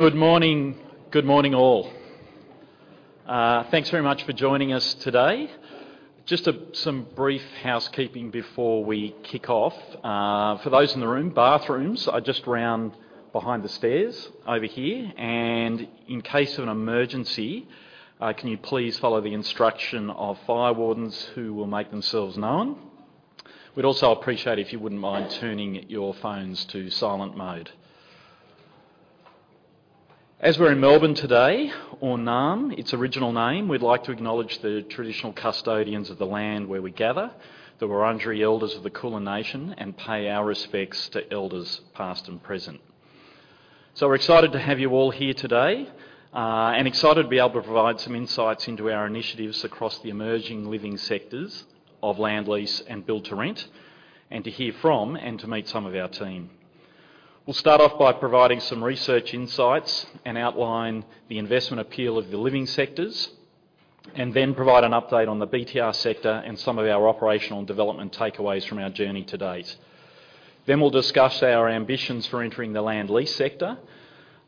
Good morning. Good morning, all. Thanks very much for joining us today. Just some brief housekeeping before we kick off. For those in the room, bathrooms are just round behind the stairs over here, and in case of an emergency, can you please follow the instruction of fire wardens who will make themselves known? We'd also appreciate it if you wouldn't mind turning your phones to silent mode. As we're in Melbourne today, or Naarm, its original name, we'd like to acknowledge the traditional custodians of the land where we gather, the Wurundjeri elders of the Kulin Nation, and pay our respects to elders, past and present. So we're excited to have you all here today, and excited to be able to provide some insights into our initiatives across the emerging living sectors of Land Lease and Build-to-Rent, and to hear from and to meet some of our team. We'll start off by providing some research insights and outline the investment appeal of the living sectors, and then provide an update on the BTR sector and some of our operational and development takeaways from our journey to date. Then we'll discuss our ambitions for entering the Land Lease sector.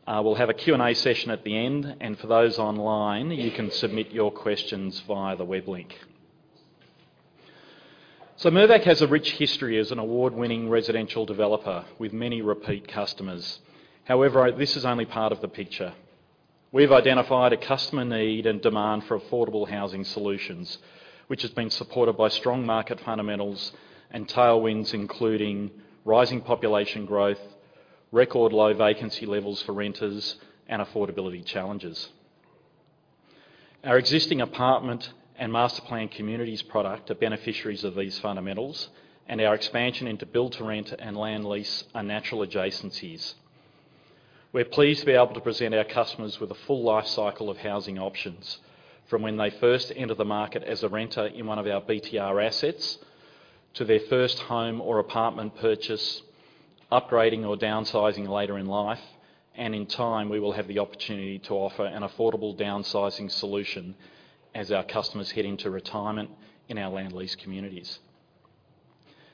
We'll have a Q&A session at the end, and for those online, you can submit your questions via the web link. So Mirvac has a rich history as an award-winning residential developer with many repeat customers. However, this is only part of the picture. We've identified a customer need and demand for affordable housing solutions, which has been supported by strong market fundamentals and tailwinds, including rising population growth, record low vacancy levels for renters, and affordability challenges. Our existing apartment and master plan communities product are beneficiaries of these fundamentals, and our expansion into build-to-rent and land lease are natural adjacencies. We're pleased to be able to present our customers with a full life cycle of housing options, from when they first enter the market as a renter in one of our BTR assets, to their first home or apartment purchase, upgrading or downsizing later in life, and in time, we will have the opportunity to offer an affordable downsizing solution as our customers head into retirement in our land lease communities.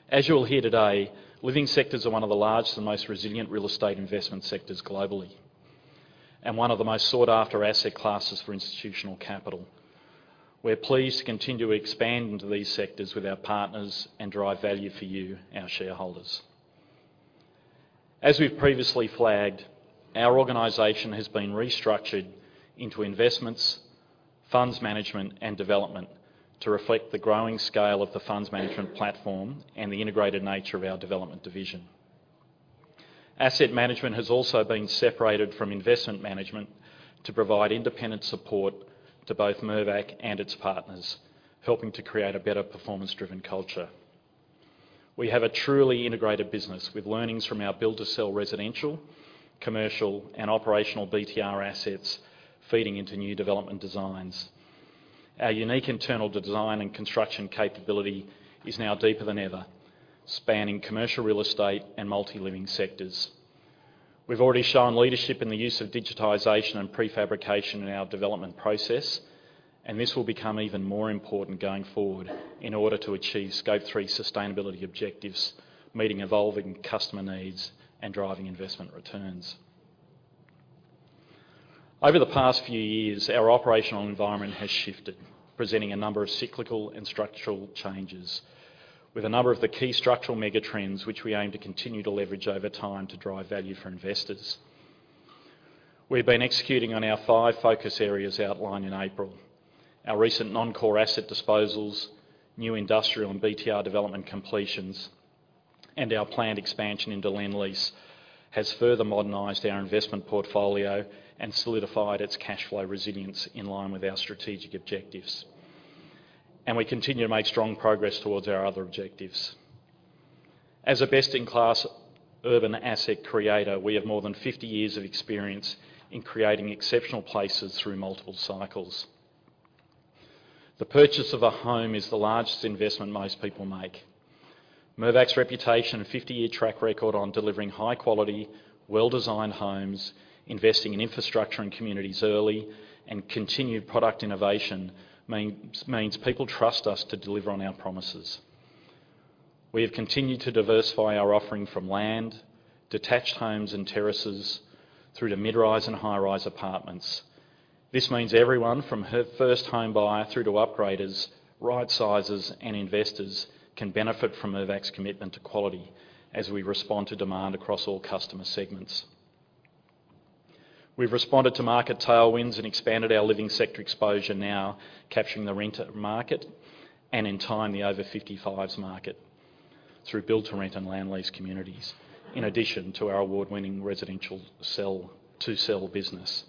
As you'll hear today, living sectors are one of the largest and most resilient real estate investment sectors globally, and one of the most sought-after asset classes for institutional capital. We're pleased to continue to expand into these sectors with our partners and drive value for you, our shareholders. As we've previously flagged, our organization has been restructured into investments, funds management, and development to reflect the growing scale of the funds management platform and the integrated nature of our development division. Asset management has also been separated from investment management to provide independent support to both Mirvac and its partners, helping to create a better performance-driven culture. We have a truly integrated business with learnings from our build-to-sell residential, commercial, and operational BTR assets feeding into new development designs. Our unique internal design and construction capability is now deeper than ever, spanning commercial real estate and multi-living sectors. We've already shown leadership in the use of digitization and prefabrication in our development process, and this will become even more important going forward in order to achieve Scope 3 sustainability objectives, meeting evolving customer needs, and driving investment returns. Over the past few years, our operational environment has shifted, presenting a number of cyclical and structural changes, with a number of the key structural mega trends, which we aim to continue to leverage over time to drive value for investors. We've been executing on our five focus areas outlined in April. Our recent non-core asset disposals, new industrial and BTR development completions, and our planned expansion into land lease, has further modernized our investment portfolio and solidified its cash flow resilience in line with our strategic objectives. We continue to make strong progress towards our other objectives. As a best-in-class urban asset creator, we have more than 50 years of experience in creating exceptional places through multiple cycles. The purchase of a home is the largest investment most people make. Mirvac's reputation and 50-year track record on delivering high quality, well-designed homes, investing in infrastructure and communities early, and continued product innovation means, means people trust us to deliver on our promises. We have continued to diversify our offering from land, detached homes and terraces, through to mid-rise and high-rise apartments. This means everyone from first home buyer through to upgraders, right-sizers, and investors can benefit from Mirvac's commitment to quality as we respond to demand across all customer segments. We've responded to market tailwinds and expanded our living sector exposure, now capturing the renter market and, in time, the over-55s market through build-to-rent and land lease communities, in addition to our award-winning residential sell-to-sell business.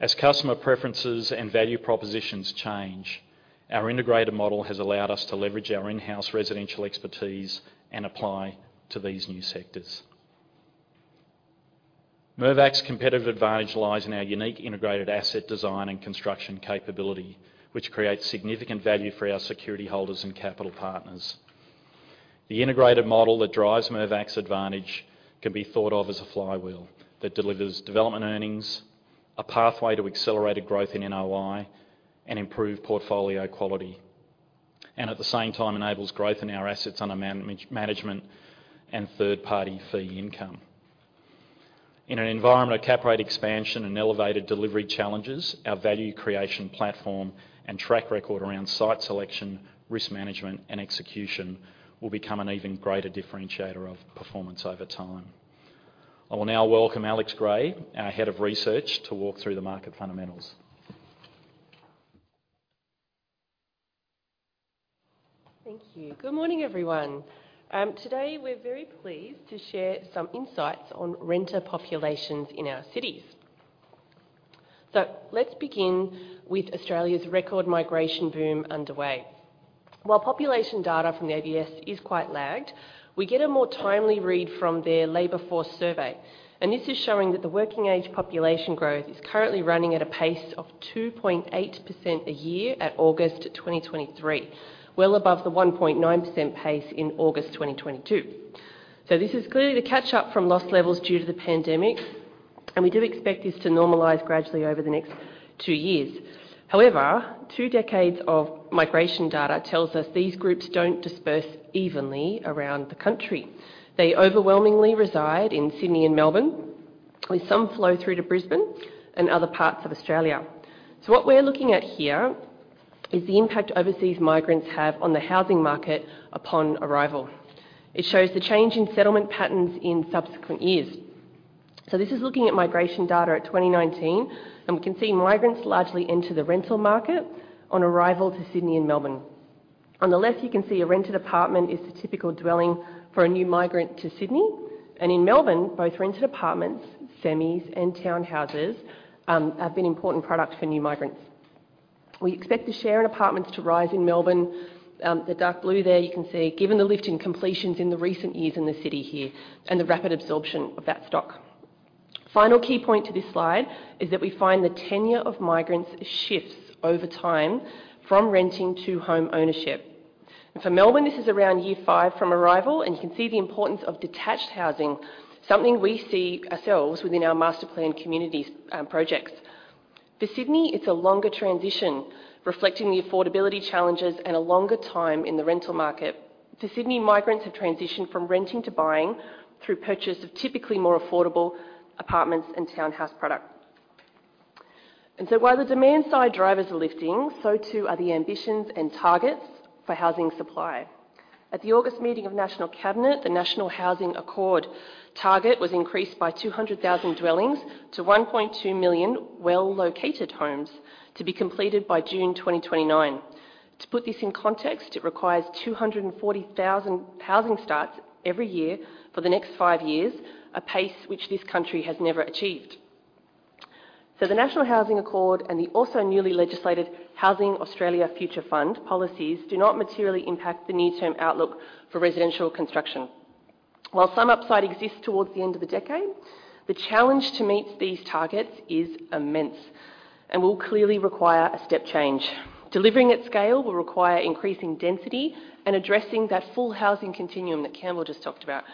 As customer preferences and value propositions change, our integrated model has allowed us to leverage our in-house residential expertise and apply to these new sectors. Mirvac's competitive advantage lies in our unique integrated asset design and construction capability, which creates significant value for our security holders and capital partners. The integrated model that drives Mirvac's advantage can be thought of as a flywheel that delivers development earnings, a pathway to accelerated growth in NOI, and improved portfolio quality... and at the same time, enables growth in our assets under management and third-party fee income. In an environment of cap rate expansion and elevated delivery challenges, our value creation platform and track record around site selection, risk management, and execution will become an even greater differentiator of performance over time. I will now welcome Alex Gray, our Head of Research, to walk through the market fundamentals. Thank you. Good morning, everyone. Today, we're very pleased to share some insights on renter populations in our cities. So let's begin with Australia's record migration boom underway. While population data from the ABS is quite lagged, we get a more timely read from their Labour Force Survey, and this is showing that the working-age population growth is currently running at a pace of 2.8% a year at August 2023, well above the 1.9% pace in August 2022. So this is clearly the catch-up from lost levels due to the pandemic, and we do expect this to normalize gradually over the next two years. However, two decades of migration data tells us these groups don't disperse evenly around the country. They overwhelmingly reside in Sydney and Melbourne, with some flow through to Brisbane and other parts of Australia. So what we're looking at here is the impact overseas migrants have on the housing market upon arrival. It shows the change in settlement patterns in subsequent years. So this is looking at migration data at 2019, and we can see migrants largely enter the rental market on arrival to Sydney and Melbourne. On the left, you can see a rented apartment is the typical dwelling for a new migrant to Sydney, and in Melbourne, both rented apartments, semis, and townhouses have been important products for new migrants. We expect the share in apartments to rise in Melbourne, the dark blue there you can see, given the lift in completions in the recent years in the city here and the rapid absorption of that stock. Final key point to this slide is that we find the tenure of migrants shifts over time from renting to home ownership. For Melbourne, this is around year five from arrival, and you can see the importance of detached housing, something we see ourselves within our master plan communities, projects. For Sydney, it's a longer transition, reflecting the affordability challenges and a longer time in the rental market. For Sydney, migrants have transitioned from renting to buying through purchase of typically more affordable apartments and townhouse product. And so while the demand-side drivers are lifting, so too are the ambitions and targets for housing supply. At the August meeting of National Cabinet, the National Housing Accord target was increased by 200,000 dwellings to 1.2 million well-located homes to be completed by June 2029. To put this in context, it requires 240,000 housing starts every year for the next 5 years, a pace which this country has never achieved. So the National Housing Accord and the also newly legislated Housing Australia Future Fund policies do not materially impact the near-term outlook for residential construction. While some upside exists towards the end of the decade, the challenge to meet these targets is immense and will clearly require a step change. Delivering at scale will require increasing density and addressing that full housing continuum that Campbell just talked about,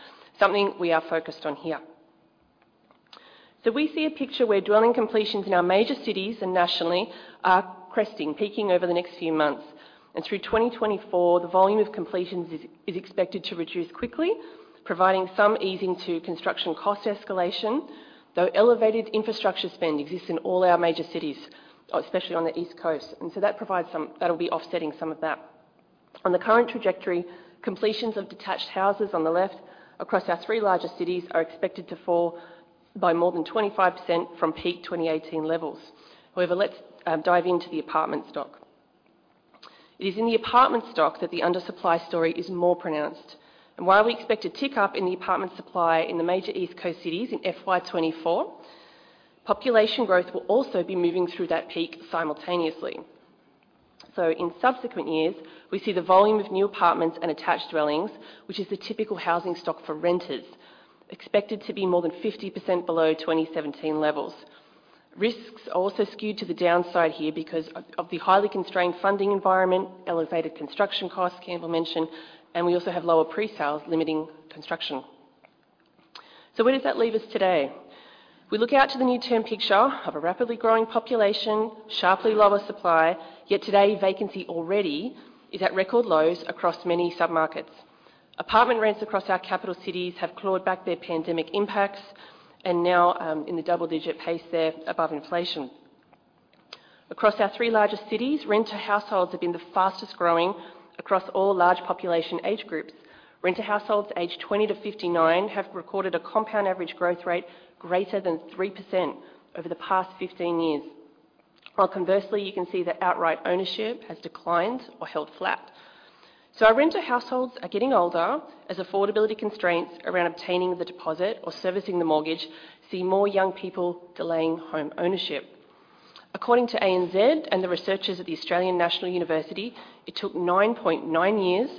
something we are focused on here. So we see a picture where dwelling completions in our major cities and nationally are cresting, peaking over the next few months, and through 2024, the volume of completions is expected to reduce quickly, providing some easing to construction cost escalation, though elevated infrastructure spend exists in all our major cities, especially on the East Coast, and so that provides some - that'll be offsetting some of that. On the current trajectory, completions of detached houses on the left across our three largest cities are expected to fall by more than 25% from peak 2018 levels. However, let's dive into the apartment stock. It is in the apartment stock that the undersupply story is more pronounced, and while we expect a tick-up in the apartment supply in the major East Coast cities in FY 2024, population growth will also be moving through that peak simultaneously. So in subsequent years, we see the volume of new apartments and attached dwellings, which is the typical housing stock for renters, expected to be more than 50% below 2017 levels. Risks are also skewed to the downside here because of the highly constrained funding environment, elevated construction costs, Campbell mentioned, and we also have lower pre-sales limiting construction. So where does that leave us today? We look out to the near-term picture of a rapidly growing population, sharply lower supply, yet today, vacancy already is at record lows across many submarkets. Apartment rents across our capital cities have clawed back their pandemic impacts and now, in the double-digit pace, they're above inflation. Across our three largest cities, renter households have been the fastest-growing across all large population age groups. Renter households aged 20-59 have recorded a compound average growth rate greater than 3% over the past 15 years. While conversely, you can see that outright ownership has declined or held flat. So our renter households are getting older as affordability constraints around obtaining the deposit or servicing the mortgage see more young people delaying home ownership. According to ANZ and the researchers at the Australian National University, it took 9.9 years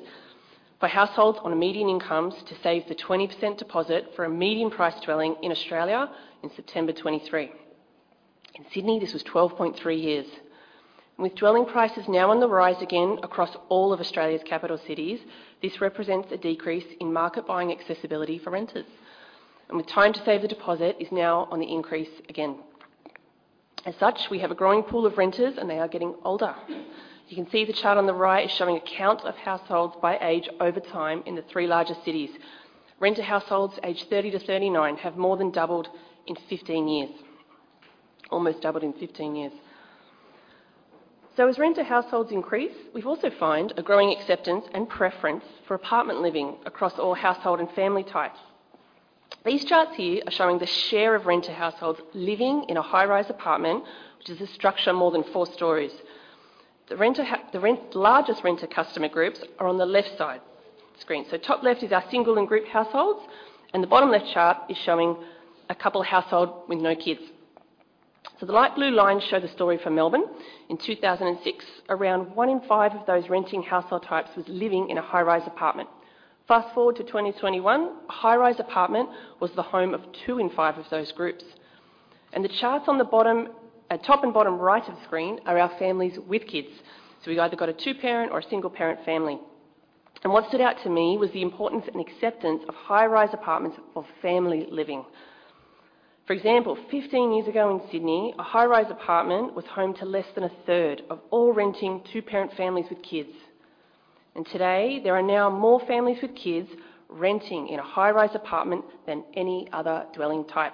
for households on median incomes to save the 20% deposit for a median price dwelling in Australia in September 2023. In Sydney, this was 12.3 years. With dwelling prices now on the rise again across all of Australia's capital cities, this represents a decrease in market buying accessibility for renters, and the time to save the deposit is now on the increase again. As such, we have a growing pool of renters, and they are getting older. You can see the chart on the right is showing a count of households by age over time in the three largest cities. Renter households aged 30-39 have more than doubled in 15 years. Almost doubled in 15 years. As renter households increase, we've also found a growing acceptance and preference for apartment living across all household and family types. These charts here are showing the share of renter households living in a high-rise apartment, which is a structure more than four stories. The largest renter customer groups are on the left side screen. Top left is our single and group households, and the bottom left chart is showing a couple household with no kids. The light blue lines show the story for Melbourne. In 2006, around one in five of those renting household types was living in a high-rise apartment. Fast-forward to 2021, a high-rise apartment was the home of two in five of those groups. The charts on the bottom, top and bottom right of the screen are our families with kids. So we've either got a two-parent or a single-parent family. And what stood out to me was the importance and acceptance of high-rise apartments for family living. For example, 15 years ago in Sydney, a high-rise apartment was home to less than a third of all renting two-parent families with kids. And today, there are now more families with kids renting in a high-rise apartment than any other dwelling type.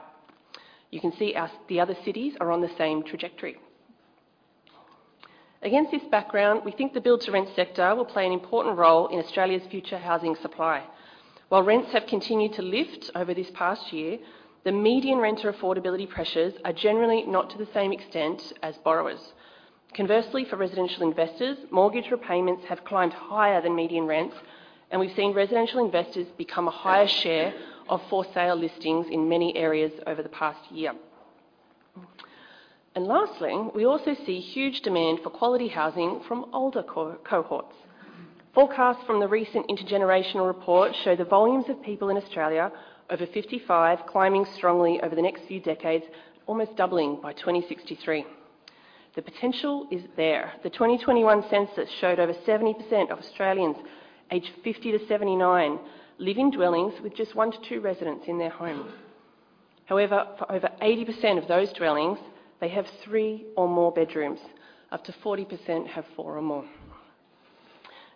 You can see as the other cities are on the same trajectory. Against this background, we think the build-to-rent sector will play an important role in Australia's future housing supply. While rents have continued to lift over this past year, the median renter affordability pressures are generally not to the same extent as borrowers. Conversely, for residential investors, mortgage repayments have climbed higher than median rents, and we've seen residential investors become a higher share of for-sale listings in many areas over the past year. Lastly, we also see huge demand for quality housing from older cohorts. Forecasts from the recent Intergenerational Report show the volumes of people in Australia over 55 climbing strongly over the next few decades, almost doubling by 2063. The potential is there. The 2021 census showed over 70% of Australians aged 50-79 live in dwellings with just one to two residents in their homes. However, for over 80% of those dwellings, they have three or more bedrooms. Up to 40% have four or more.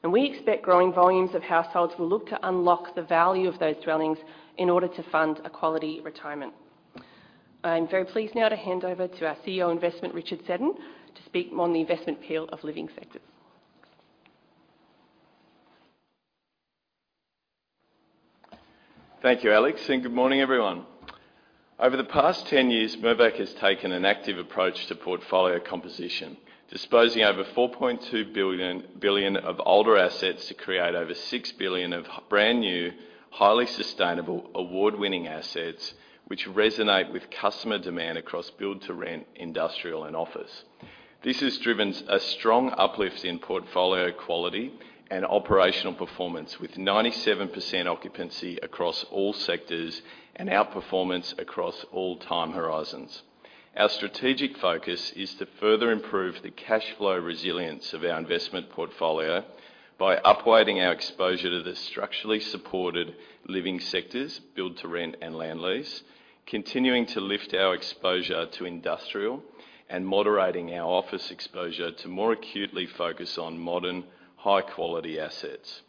We expect growing volumes of households will look to unlock the value of those dwellings in order to fund a quality retirement. I'm very pleased now to hand over to our CEO Investment, Richard Seddon, to speak on the investment appeal of living sectors. Thank you, Alex, and good morning, everyone. Over the past 10 years, Mirvac has taken an active approach to portfolio composition, disposing over 4.2 billion of older assets to create over 6 billion of brand-new, highly sustainable, award-winning assets, which resonate with customer demand across build-to-rent, industrial, and office. This has driven a strong uplift in portfolio quality and operational performance, with 97% occupancy across all sectors and outperformance across all time horizons. Our strategic focus is to further improve the cash flow resilience of our investment portfolio by upweighting our exposure to the structurally supported living sectors, build-to-rent, and land lease, continuing to lift our exposure to industrial, and moderating our office exposure to more acutely focus on modern, high-quality assets.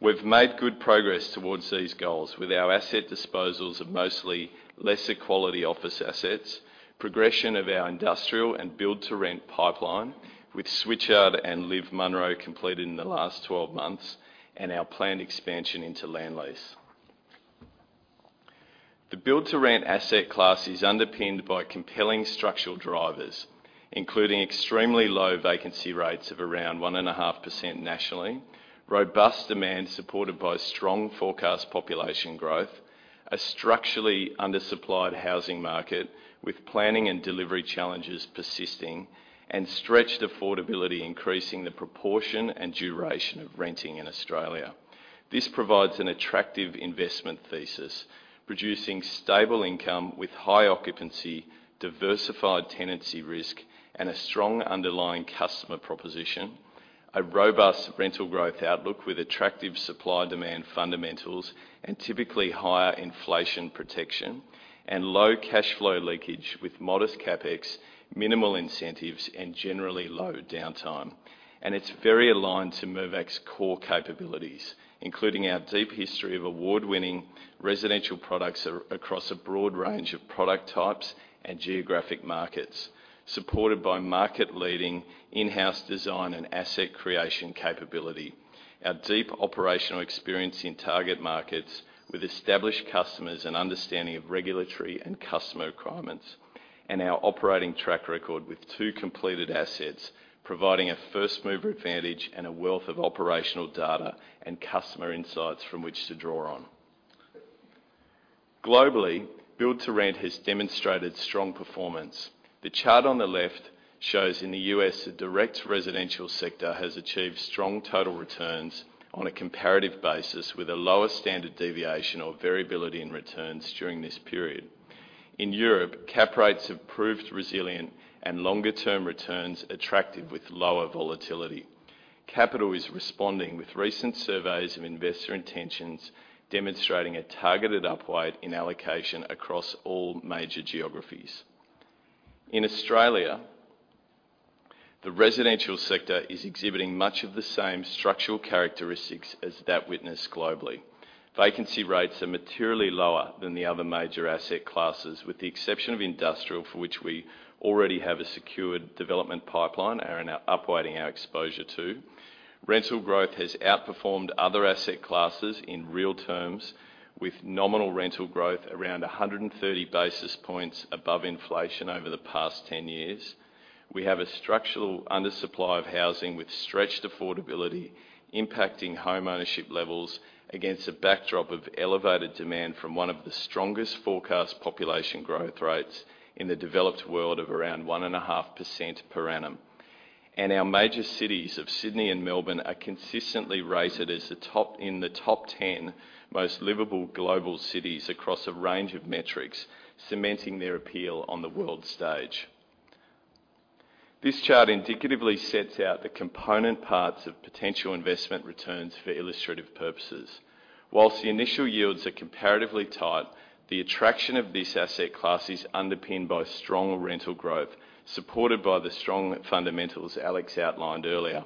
We've made good progress towards these goals with our asset disposals of mostly lesser quality office assets, progression of our industrial and build-to-rent pipeline, with Switchyard and LIV Munro completed in the last 12 months, and our planned expansion into land lease. The build-to-rent asset class is underpinned by compelling structural drivers, including extremely low vacancy rates of around 1.5% nationally, robust demand supported by strong forecast population growth, a structurally undersupplied housing market with planning and delivery challenges persisting, and stretched affordability increasing the proportion and duration of renting in Australia. This provides an attractive investment thesis, producing stable income with high occupancy, diversified tenancy risk, and a strong underlying customer proposition, a robust rental growth outlook with attractive supply-demand fundamentals and typically higher inflation protection, and low cash flow leakage with modest CapEx, minimal incentives, and generally low downtime. It's very aligned to Mirvac's core capabilities, including our deep history of award-winning residential products across a broad range of product types and geographic markets, supported by market-leading in-house design and asset creation capability, our deep operational experience in target markets with established customers and understanding of regulatory and customer requirements, and our operating track record with two completed assets, providing a first-mover advantage and a wealth of operational data and customer insights from which to draw on. Globally, build-to-rent has demonstrated strong performance. The chart on the left shows in the U.S., the direct residential sector has achieved strong total returns on a comparative basis with a lower standard deviation or variability in returns during this period. In Europe, cap rates have proved resilient and longer-term returns attractive with lower volatility. Capital is responding with recent surveys of investor intentions, demonstrating a targeted upward in allocation across all major geographies. In Australia, the residential sector is exhibiting much of the same structural characteristics as that witnessed globally. Vacancy rates are materially lower than the other major asset classes, with the exception of industrial, for which we already have a secured development pipeline and are now upweighting our exposure to. Rental growth has outperformed other asset classes in real terms, with nominal rental growth around 130 basis points above inflation over the past 10 years. We have a structural undersupply of housing, with stretched affordability impacting homeownership levels against a backdrop of elevated demand from one of the strongest forecast population growth rates in the developed world of around 1.5% per annum. Our major cities of Sydney and Melbourne are consistently rated as the top, in the top ten most livable global cities across a range of metrics, cementing their appeal on the world stage. This chart indicatively sets out the component parts of potential investment returns for illustrative purposes. While the initial yields are comparatively tight, the attraction of this asset class is underpinned by strong rental growth, supported by the strong fundamentals Alex outlined earlier.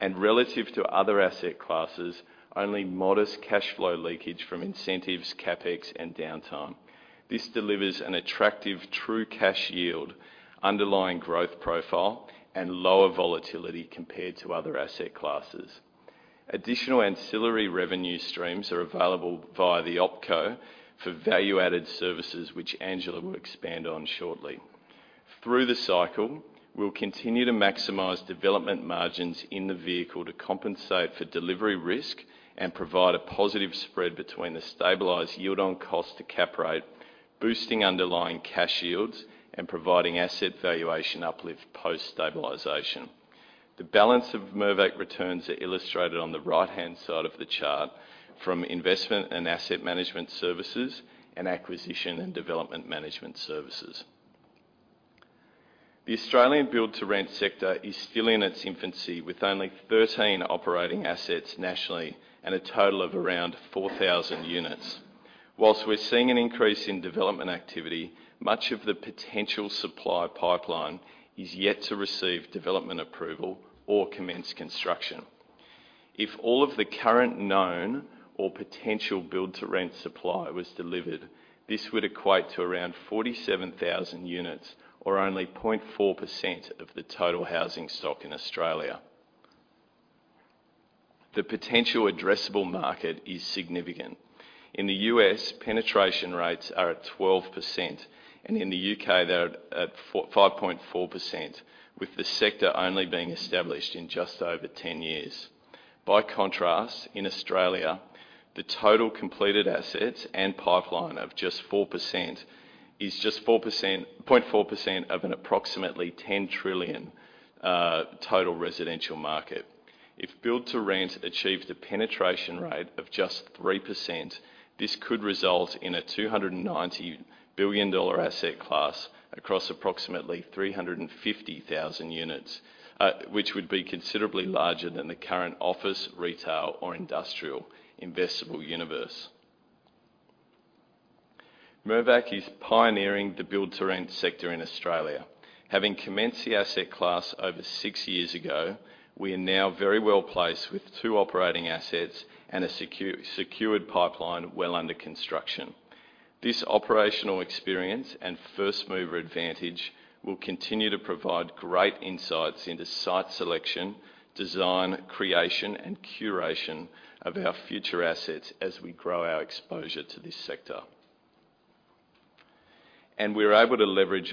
Relative to other asset classes, only modest cash flow leakage from incentives, CapEx, and downtime. This delivers an attractive true cash yield, underlying growth profile, and lower volatility compared to other asset classes. Additional ancillary revenue streams are available via the OpCo for value-added services, which Angela will expand on shortly. Through the cycle, we'll continue to maximize development margins in the vehicle to compensate for delivery risk and provide a positive spread between the stabilized yield on cost to cap rate, boosting underlying cash yields and providing asset valuation uplift post-stabilization. The balance of Mirvac returns are illustrated on the right-hand side of the chart from investment and asset management services, and acquisition and development management services. The Australian build-to-rent sector is still in its infancy, with only 13 operating assets nationally and a total of around 4,000 units. While we're seeing an increase in development activity, much of the potential supply pipeline is yet to receive development approval or commence construction. If all of the current known or potential build-to-rent supply was delivered, this would equate to around 47,000 units, or only 0.4% of the total housing stock in Australia. The potential addressable market is significant. In the U.S., penetration rates are at 12%, and in the U.K., they're at 5.4%, with the sector only being established in just over 10 years. By contrast, in Australia, the total completed assets and pipeline of just 0.4% of an approximately 10 trillion total residential market. If build to rent achieves a penetration rate of just 3%, this could result in a 290 billion dollar asset class across approximately 350,000 units, which would be considerably larger than the current office, retail, or industrial investable universe. Mirvac is pioneering the build-to-rent sector in Australia. Having commenced the asset class over six years ago, we are now very well placed with two operating assets and a secured pipeline well under construction. This operational experience and first mover advantage will continue to provide great insights into site selection, design, creation, and curation of our future assets as we grow our exposure to this sector. We're able to leverage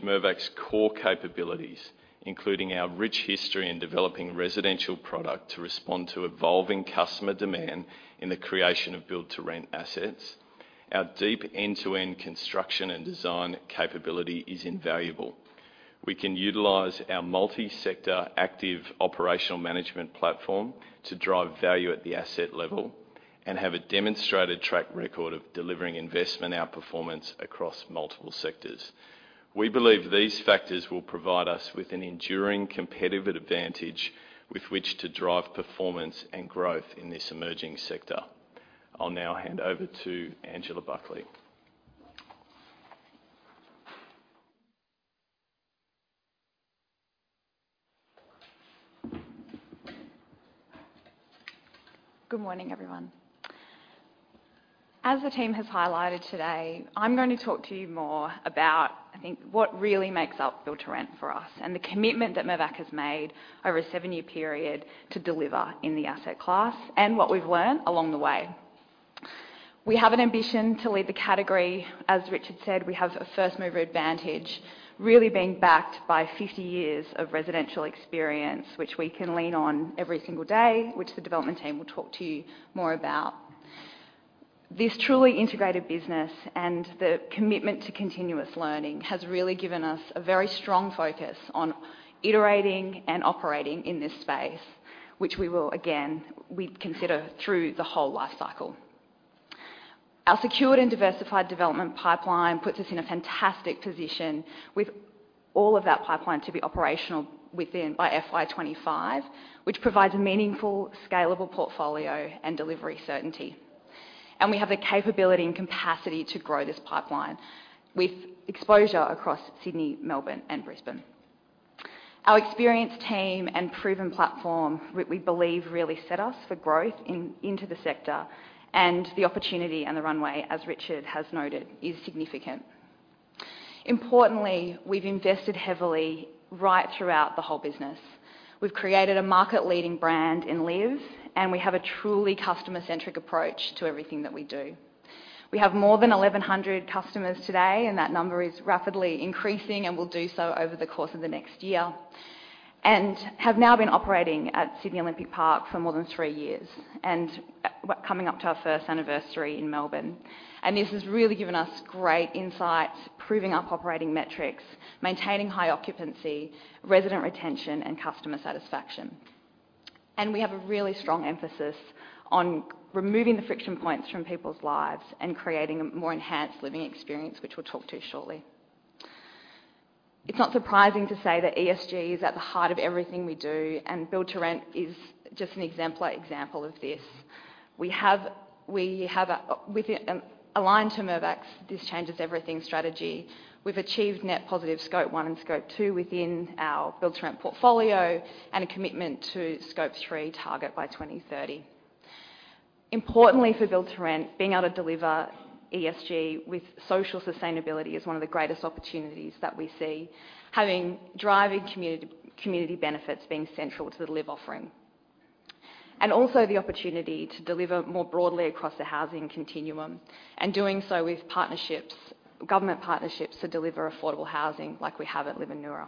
Mirvac's core capabilities, including our rich history in developing residential product, to respond to evolving customer demand in the creation of build-to-rent assets. Our deep end-to-end construction and design capability is invaluable. We can utilize our multi-sector active operational management platform to drive value at the asset level and have a demonstrated track record of delivering investment outperformance across multiple sectors. We believe these factors will provide us with an enduring competitive advantage with which to drive performance and growth in this emerging sector. I'll now hand over to Angela Buckley. Good morning, everyone. As the team has highlighted today, I'm going to talk to you more about, I think, what really makes up build-to-rent for us, and the commitment that Mirvac has made over a seven-year period to deliver in the asset class, and what we've learned along the way. We have an ambition to lead the category. As Richard said, we have a first-mover advantage, really being backed by fifty years of residential experience, which we can lean on every single day, which the development team will talk to you more about. This truly integrated business and the commitment to continuous learning has really given us a very strong focus on iterating and operating in this space, which we will again, we consider through the whole life cycle. Our secured and diversified development pipeline puts us in a fantastic position, with all of that pipeline to be operational within by FY25, which provides a meaningful, scalable portfolio and delivery certainty. We have the capability and capacity to grow this pipeline with exposure across Sydney, Melbourne, and Brisbane. Our experienced team and proven platform, we believe, really set us for growth into the sector, and the opportunity and the runway, as Richard has noted, is significant. Importantly, we've invested heavily right throughout the whole business. We've created a market-leading brand in LIV, and we have a truly customer-centric approach to everything that we do. We have more than 1,100 customers today, and that number is rapidly increasing and will do so over the course of the next year, and have now been operating at Sydney Olympic Park for more than three years, and we're coming up to our first anniversary in Melbourne. And this has really given us great insights, proving our operating metrics, maintaining high occupancy, resident retention, and customer satisfaction. And we have a really strong emphasis on removing the friction points from people's lives and creating a more enhanced living experience, which we'll talk to shortly. It's not surprising to say that ESG is at the heart of everything we do, and build to rent is just an exemplar example of this. We have, we have a, with it, aligned to Mirvac's This Changes Everything strategy, we've achieved net positive Scope 1 and Scope 2 within our build-to-rent portfolio and a commitment to Scope 3 target by 2030. Importantly for build-to-rent, being able to deliver ESG with social sustainability is one of the greatest opportunities that we see, having driving community, community benefits being central to the LIV offering. Also the opportunity to deliver more broadly across the housing continuum, and doing so with partnerships, government partnerships to deliver affordable housing like we have at LIV Anura.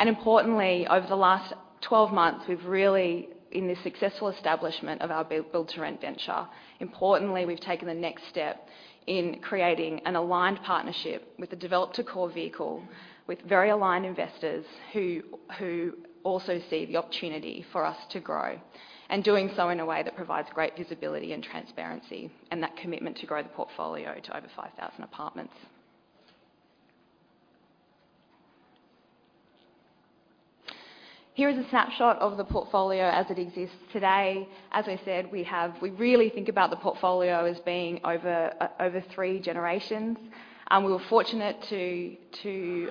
Importantly, over the last 12 months, we've really, in the successful establishment of our build-to-rent venture, importantly, we've taken the next step in creating an aligned partnership with a developer core vehicle, with very aligned investors who also see the opportunity for us to grow, and doing so in a way that provides great visibility and transparency, and that commitment to grow the portfolio to over 5,000 apartments. Here is a snapshot of the portfolio as it exists today. As I said, we really think about the portfolio as being over three generations, and we were fortunate to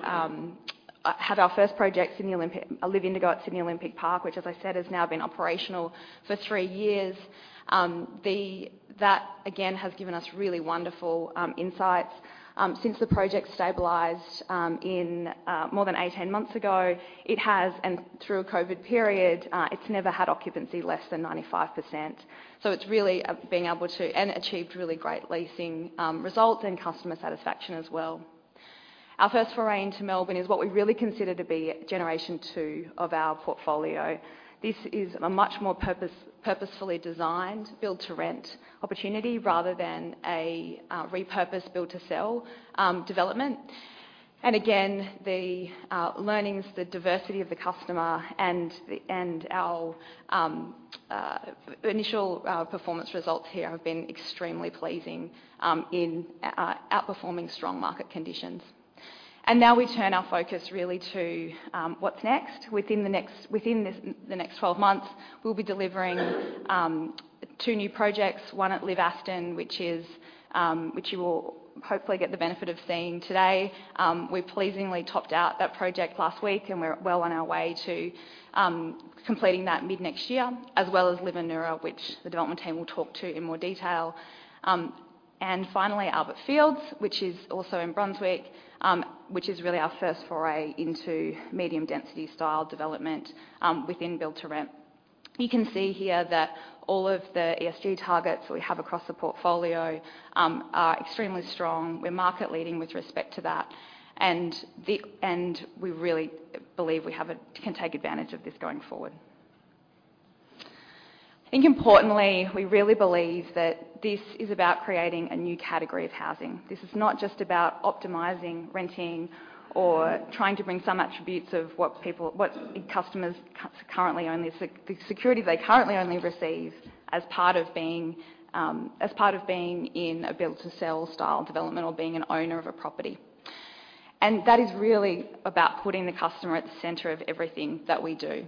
have our first project, LIV Indigo at Sydney Olympic Park, which as I said, has now been operational for three years. That again has given us really wonderful insights. Since the project stabilized more than 18 months ago, and through a COVID period, it's never had occupancy less than 95%. So it's really being able to achieve really great leasing results and customer satisfaction as well. Our first foray into Melbourne is what we really consider to be generation 2 of our portfolio. This is a much more purposefully designed build to rent opportunity rather than a repurposed build to sell development. And again, the learnings, the diversity of the customer and our initial performance results here have been extremely pleasing in outperforming strong market conditions. And now we turn our focus really to what's next. Within the next 12 months, we'll be delivering two new projects, one at LIV Aston, which you will hopefully get the benefit of seeing today. We pleasingly topped out that project last week, and we're well on our way to completing that mid-next year, as well as LIV Anura, which the development team will talk to in more detail. And finally, Albert Fields, which is also in Brunswick, which is really our first foray into medium density style development within build to rent. You can see here that all of the ESG targets we have across the portfolio are extremely strong. We're market leading with respect to that, and we really believe we have a-- can take advantage of this going forward. I think importantly, we really believe that this is about creating a new category of housing. This is not just about optimizing renting or trying to bring some attributes of what people, what customers currently only see the security they currently only receive as part of being, as part of being in a build to sell style development or being an owner of a property. That is really about putting the customer at the center of everything that we do.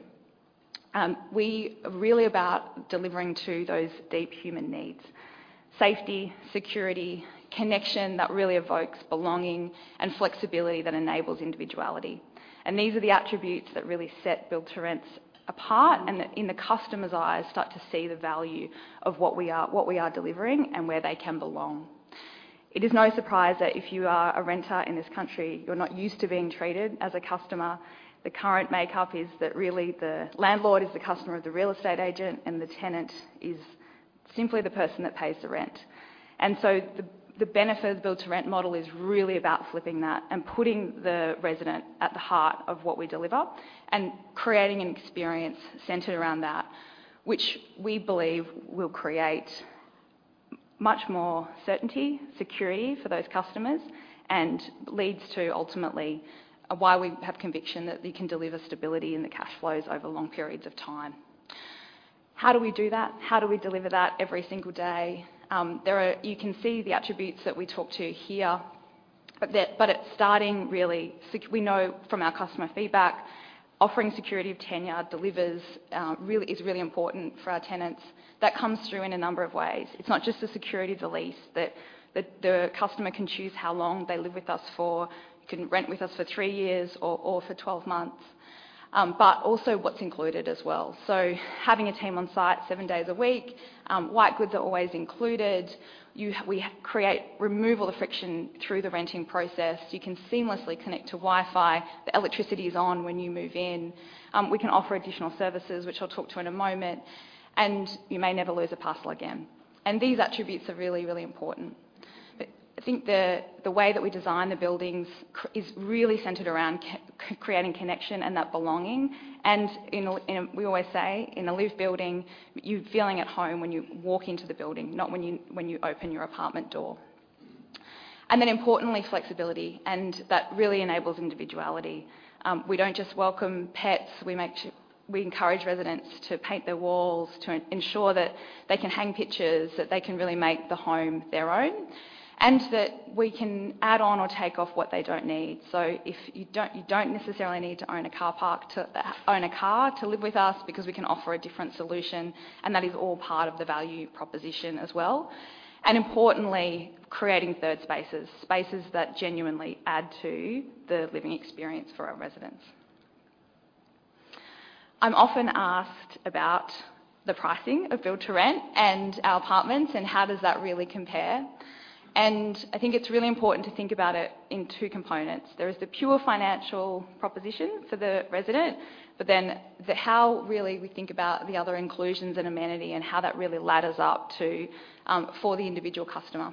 We are really about delivering to those deep human needs: safety, security, connection that really evokes belonging and flexibility that enables individuality. And these are the attributes that really set build to rents apart, and that in the customer's eyes, start to see the value of what we are, what we are delivering and where they can belong. It is no surprise that if you are a renter in this country, you're not used to being treated as a customer. The current makeup is that really the landlord is the customer of the real estate agent and the tenant is simply the person that pays the rent. And so the benefit of the build to rent model is really about flipping that and putting the resident at the heart of what we deliver and creating an experience centered around that, which we believe will create much more certainty, security for those customers, and leads to ultimately why we have conviction that we can deliver stability in the cash flows over long periods of time. How do we do that? How do we deliver that every single day? There are-- you can see the attributes that we talk to here, but it's starting really sec-- We know from our customer feedback, offering security of tenure delivers, uh, really, is really important for our tenants. That comes through in a number of ways. It's not just the security of the lease, that the customer can choose how long they live with us for. You can rent with us for three years or for twelve months, but also what's included as well. Having a team on site seven days a week, white goods are always included. You-- we create removal of friction through the renting process. You can seamlessly connect to Wi-Fi. The electricity is on when you move in. We can offer additional services, which I'll talk to in a moment, and you may never lose a parcel again. And these attributes are really, really important. But I think the way that we design the buildings is really centered around creating connection and that belonging. And in a LIV building, we always say, you're feeling at home when you walk into the building, not when you open your apartment door. And then importantly, flexibility, and that really enables individuality. We don't just welcome pets, we make sure we encourage residents to paint their walls, to ensure that they can hang pictures, that they can really make the home their own, and that we can add on or take off what they don't need. So if you don't, you don't necessarily need to own a car park to own a car to live with us because we can offer a different solution, and that is all part of the value proposition as well. And importantly, creating third spaces, spaces that genuinely add to the living experience for our residents. I'm often asked about the pricing of build-to-rent and our apartments, and how does that really compare? And I think it's really important to think about it in two components. There is the pure financial proposition for the resident, but then the, how really we think about the other inclusions and amenity and how that really ladders up to, for the individual customer.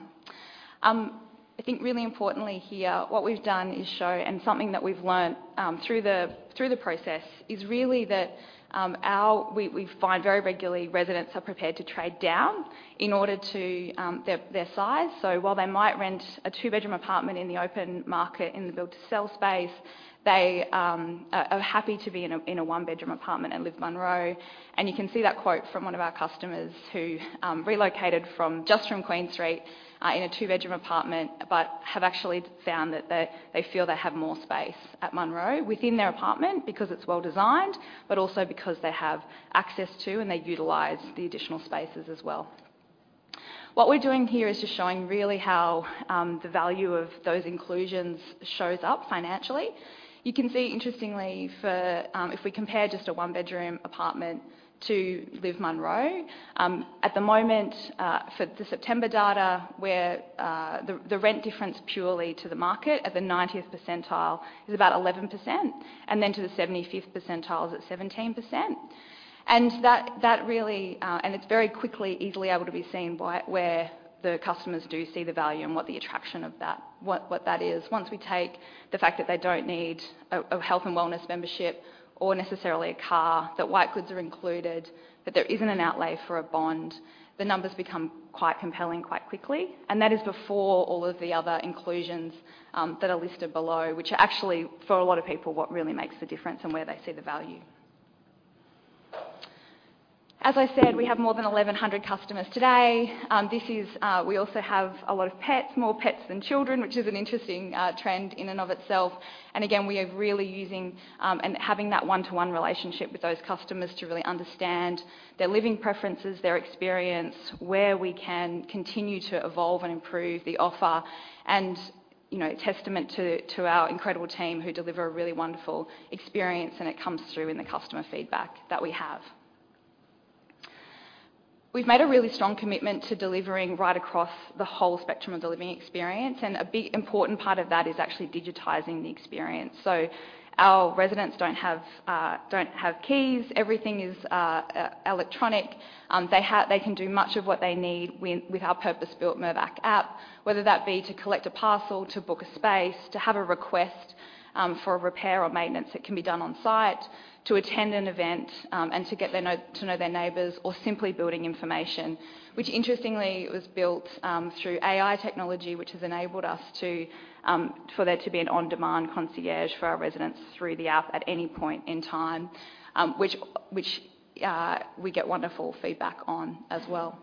I think really importantly here, what we've done is show, and something that we've learnt through the process, is really that we find very regularly, residents are prepared to trade down in order to their size. So while they might rent a two-bedroom apartment in the open market in the build to sell space, they are happy to be in a one-bedroom apartment at LIV Munro. And you can see that quote from one of our customers who relocated from just from Queen Street in a two-bedroom apartment, but have actually found that they feel they have more space at Munro within their apartment because it's well designed, but also because they have access to and they utilize the additional spaces as well. What we're doing here is just showing really how the value of those inclusions shows up financially. You can see, interestingly, for if we compare just a one-bedroom apartment to LIV Munro at the moment for the September data, where the rent difference purely to the market at the 90th percentile is about 11%, and then to the 75th percentile is at 17%. And that really and it's very quickly, easily able to be seen by where the customers do see the value and what the attraction of that what that is. Once we take the fact that they don't need a health and wellness membership or necessarily a car, that white goods are included, that there isn't an outlay for a bond, the numbers become quite compelling quite quickly. That is before all of the other inclusions, that are listed below, which are actually, for a lot of people, what really makes the difference and where they see the value. As I said, we have more than 1,100 customers today. This is, we also have a lot of pets, more pets than children, which is an interesting trend in and of itself. Again, we are really using, and having that one-to-one relationship with those customers to really understand their living preferences, their experience, where we can continue to evolve and improve the offer, and, you know, testament to our incredible team who deliver a really wonderful experience, and it comes through in the customer feedback that we have. We've made a really strong commitment to delivering right across the whole spectrum of the living experience, and a big important part of that is actually digitizing the experience. So our residents don't have keys. Everything is electronic. They can do much of what they need with our purpose-built Mirvac app, whether that be to collect a parcel, to book a space, to have a request for a repair or maintenance that can be done on site, to attend an event, and to get to know their neighbors, or simply building information. Which interestingly, was built through AI technology, which has enabled us to for there to be an on-demand concierge for our residents through the app at any point in time, which we get wonderful feedback on as well.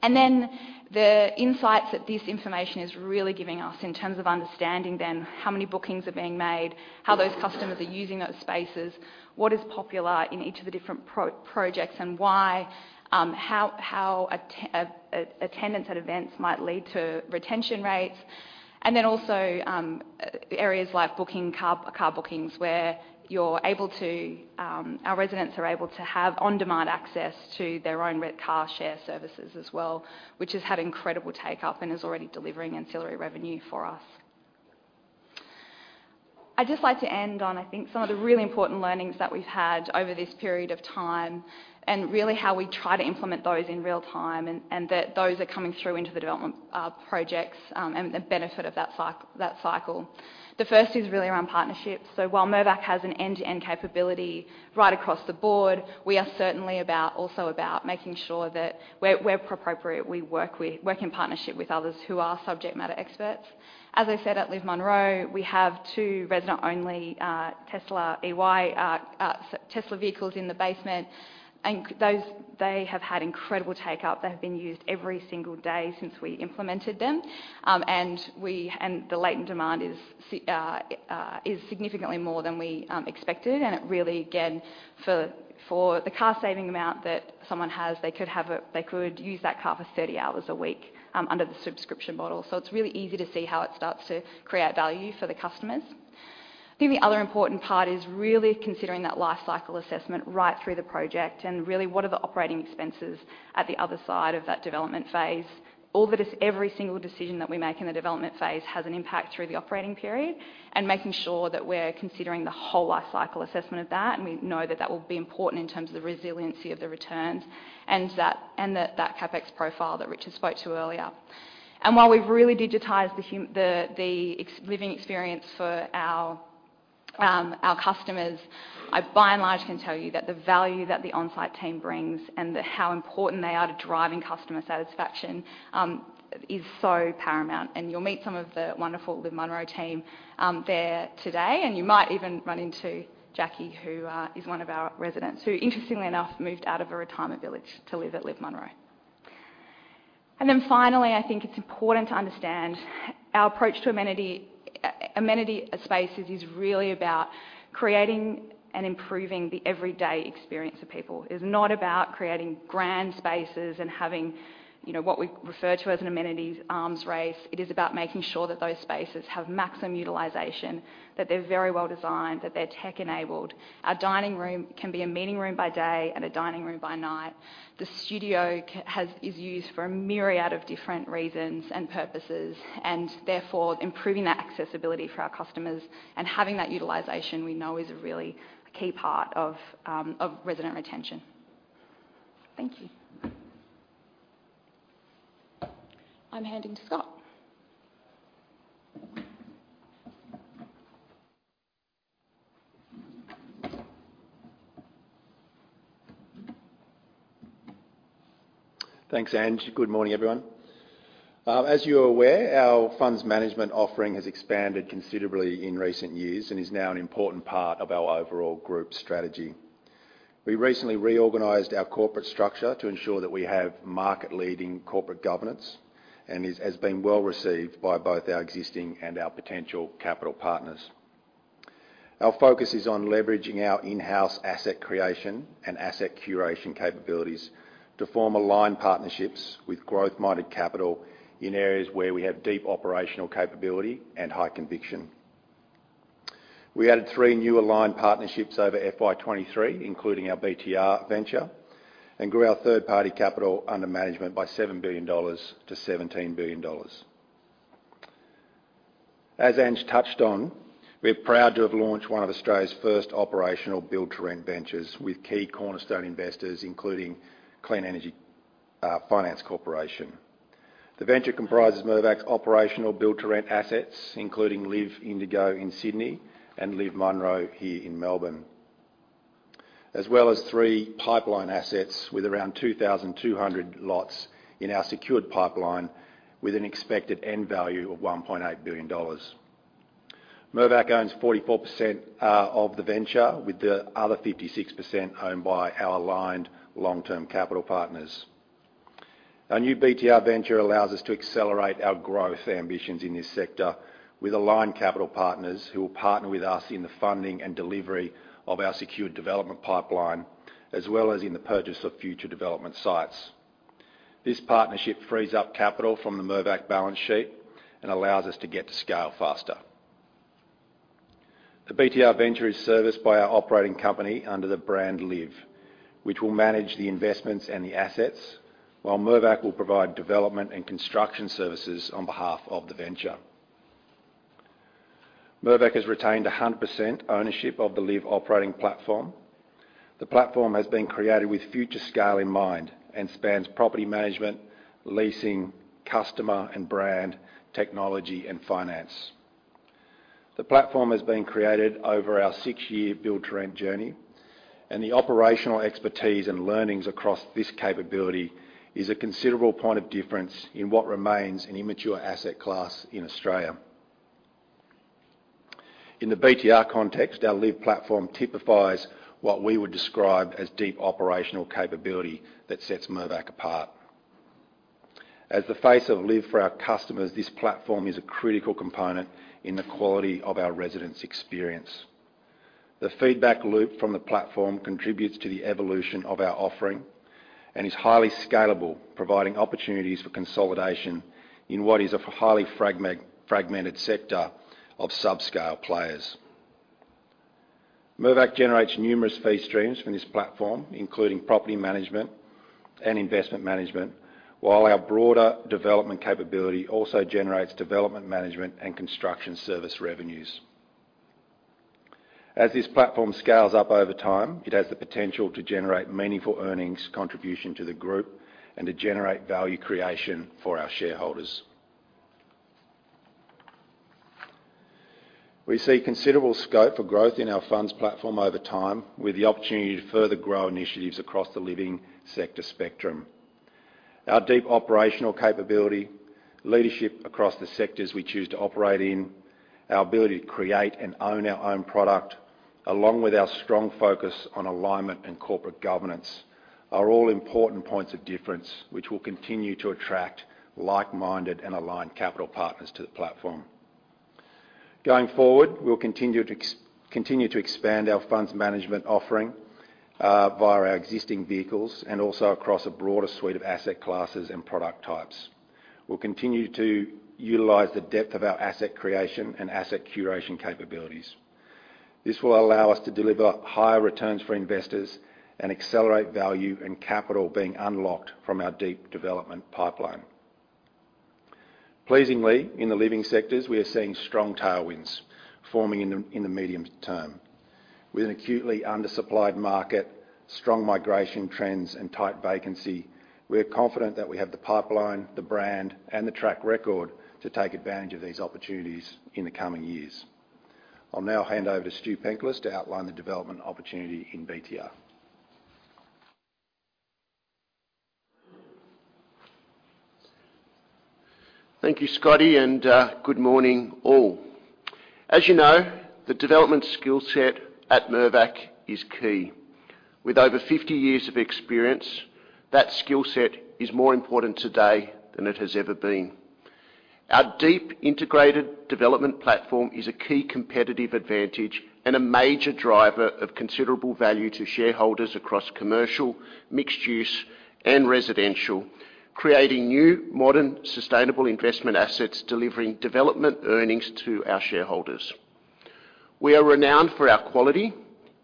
And then the insights that this information is really giving us in terms of understanding then how many bookings are being made, how those customers are using those spaces, what is popular in each of the different projects, and why, how attendance at events might lead to retention rates. And then also, areas like car bookings, where our residents are able to have on-demand access to their own car share services as well, which has had incredible take-up and is already delivering ancillary revenue for us. I'd just like to end on, I think, some of the really important learnings that we've had over this period of time, and really how we try to implement those in real time, and that those are coming through into the development projects, and the benefit of that cycle. The first is really around partnerships. So while Mirvac has an end-to-end capability right across the board, we are certainly also about making sure that where appropriate, we work in partnership with others who are subject matter experts. As I said, at LIV Munro, we have two resident-only Tesla EV vehicles in the basement, and those they have had incredible take-up. They have been used every single day since we implemented them. And the latent demand is significantly more than we expected, and it really, again, for the car saving amount that someone has, they could use that car for 30 hours a week under the subscription model. So it's really easy to see how it starts to create value for the customers. I think the other important part is really considering that life cycle assessment right through the project, and really, what are the operating expenses at the other side of that development phase? All that is, every single decision that we make in the development phase has an impact through the operating period, and making sure that we're considering the whole life cycle assessment of that, and we know that that will be important in terms of the resiliency of the returns, and that, and that, that CapEx profile that Richard spoke to earlier. And while we've really digitized the living experience for our customers, I, by and large, can tell you that the value that the on-site team brings and how important they are to driving customer satisfaction is so paramount. And you'll meet some of the wonderful LIV Munro team there today, and you might even run into Jackie, who is one of our residents, who, interestingly enough, moved out of a retirement village to live at LIV Munro. And then finally, I think it's important to understand our approach to amenity. Amenity spaces is really about creating and improving the everyday experience of people. It's not about creating grand spaces and having, you know, what we refer to as an amenities arms race. It is about making sure that those spaces have maximum utilization, that they're very well designed, that they're tech-enabled. Our dining room can be a meeting room by day and a dining room by night. The studio is used for a myriad of different reasons and purposes, and therefore improving that accessibility for our customers and having that utilization, we know is a really key part of resident retention. Thank you. I'm handing to Scott. Thanks, Ange. Good morning, everyone. As you are aware, our funds management offering has expanded considerably in recent years and is now an important part of our overall group strategy. We recently reorganized our corporate structure to ensure that we have market-leading corporate governance and has been well received by both our existing and our potential capital partners. Our focus is on leveraging our in-house asset creation and asset curation capabilities to form aligned partnerships with growth-minded capital in areas where we have deep operational capability and high conviction. We added three new aligned partnerships over FY 2023, including our BTR venture, and grew our third-party capital under management by 7 billion dollars to 17 billion dollars. As Ange touched on, we're proud to have launched one of Australia's first operational build-to-rent ventures with key cornerstone investors, including Clean Energy Finance Corporation. The venture comprises Mirvac's operational build-to-rent assets, including LIV Indigo in Sydney and LIV Munro here in Melbourne, as well as three pipeline assets with around 2,200 lots in our secured pipeline, with an expected end value of 1.8 billion dollars. Mirvac owns 44%, of the venture, with the other 56% owned by our aligned long-term capital partners. Our new BTR venture allows us to accelerate our growth ambitions in this sector with aligned capital partners, who will partner with us in the funding and delivery of our secured development pipeline, as well as in the purchase of future development sites. This partnership frees up capital from the Mirvac balance sheet and allows us to get to scale faster. The BTR venture is serviced by our operating company under the brand LIV, which will manage the investments and the assets, while Mirvac will provide development and construction services on behalf of the venture. Mirvac has retained 100% ownership of the LIV operating platform. The platform has been created with future scale in mind and spans property management, leasing, customer and brand, technology, and finance. The platform has been created over our six-year build to rent journey, and the operational expertise and learnings across this capability is a considerable point of difference in what remains an immature asset class in Australia. In the BTR context, our LIV platform typifies what we would describe as deep operational capability that sets Mirvac apart. As the face of LIV for our customers, this platform is a critical component in the quality of our residents' experience. The feedback loop from the platform contributes to the evolution of our offering and is highly scalable, providing opportunities for consolidation in what is a highly fragmented sector of subscale players. Mirvac generates numerous fee streams from this platform, including property management and investment management, while our broader development capability also generates development management and construction service revenues. As this platform scales up over time, it has the potential to generate meaningful earnings contribution to the group and to generate value creation for our shareholders. We see considerable scope for growth in our funds platform over time, with the opportunity to further grow initiatives across the living sector spectrum. Our deep operational capability, leadership across the sectors we choose to operate in, our ability to create and own our own product, along with our strong focus on alignment and corporate governance, are all important points of difference, which will continue to attract like-minded and aligned capital partners to the platform. Going forward, we'll continue to expand our funds management offering via our existing vehicles and also across a broader suite of asset classes and product types. We'll continue to utilize the depth of our asset creation and asset curation capabilities. This will allow us to deliver higher returns for investors and accelerate value and capital being unlocked from our deep development pipeline. Pleasingly, in the living sectors, we are seeing strong tailwinds forming in the, in the medium term. With an acutely undersupplied market, strong migration trends, and tight vacancy, we are confident that we have the pipeline, the brand, and the track record to take advantage of these opportunities in the coming years. I'll now hand over to Stuart Penklis to outline the development opportunity in BTR. Thank you, Scotty, and good morning, all. As you know, the development skill set at Mirvac is key. With over 50 years of experience, that skill set is more important today than it has ever been. Our deep integrated development platform is a key competitive advantage and a major driver of considerable value to shareholders across commercial, mixed-use, and residential, creating new, modern, sustainable investment assets, delivering development earnings to our shareholders. We are renowned for our quality,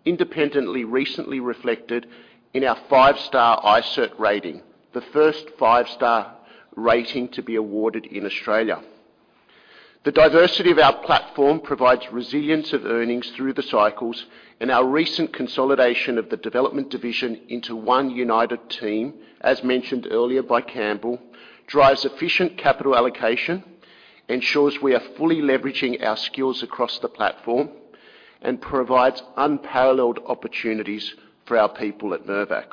independently recently reflected in our five-star iCIRT rating, the first five-star rating to be awarded in Australia. The diversity of our platform provides resilience of earnings through the cycles, and our recent consolidation of the development division into one united team, as mentioned earlier by Campbell, drives efficient capital allocation, ensures we are fully leveraging our skills across the platform, and provides unparalleled opportunities for our people at Mirvac.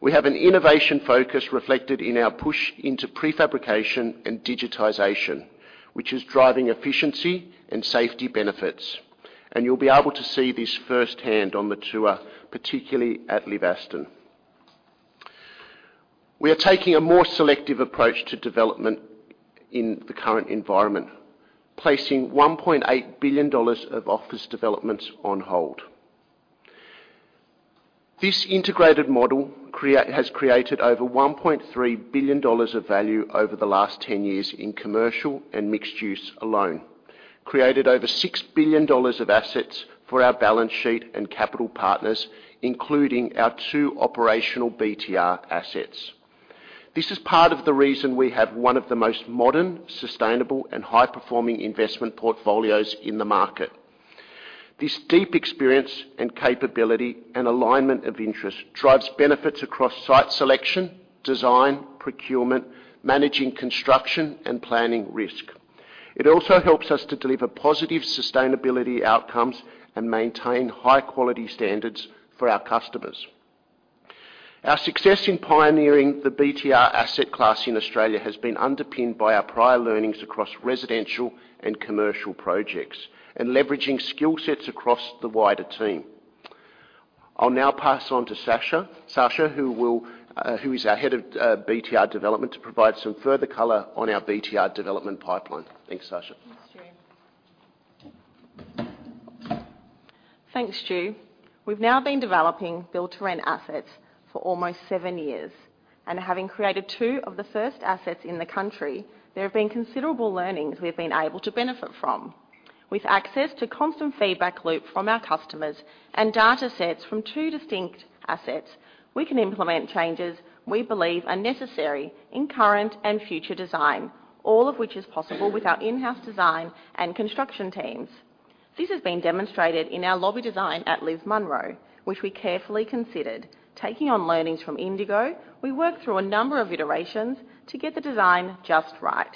We have an innovation focus reflected in our push into prefabrication and digitization, which is driving efficiency and safety benefits, and you'll be able to see this firsthand on the tour, particularly at LIV Aston. We are taking a more selective approach to development in the current environment, placing 1.8 billion dollars of office developments on hold. This integrated model has created over 1.3 billion dollars of value over the last 10 years in commercial and mixed-use alone, created over 6 billion dollars of assets for our balance sheet and capital partners, including our two operational BTR assets. This is part of the reason we have one of the most modern, sustainable, and high-performing investment portfolios in the market. This deep experience and capability and alignment of interest drives benefits across site selection, design, procurement, managing construction, and planning risk. It also helps us to deliver positive sustainability outcomes and maintain high-quality standards for our customers. Our success in pioneering the BTR asset class in Australia has been underpinned by our prior learnings across residential and commercial projects, and leveraging skill sets across the wider team. I'll now pass on to Sarsha. Sarsha, who will, who is our Head of BTR Development, to provide some further color on our BTR development pipeline. Thanks, Sarsha. Thanks, Stu. Thanks, Stu. We've now been developing build-to-rent assets for almost seven years, and having created two of the first assets in the country, there have been considerable learnings we've been able to benefit from. With access to constant feedback loop from our customers and data sets from two distinct assets, we can implement changes we believe are necessary in current and future design, all of which is possible with our in-house design and construction teams. This has been demonstrated in our lobby design at LIV Munro, which we carefully considered. Taking on learnings from Indigo, we worked through a number of iterations to get the design just right.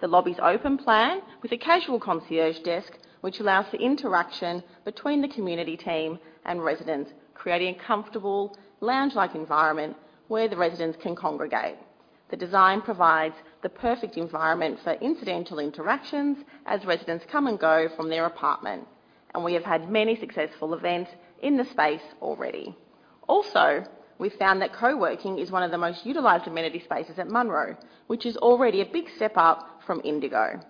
The lobby's open plan, with a casual concierge desk, which allows for interaction between the community team and residents, creating a comfortable lounge-like environment where the residents can congregate. The design provides the perfect environment for incidental interactions as residents come and go from their apartment, and we have had many successful events in the space already. Also, we found that co-working is one of the most utilized amenity spaces at Munro, which is already a big step up from Indigo.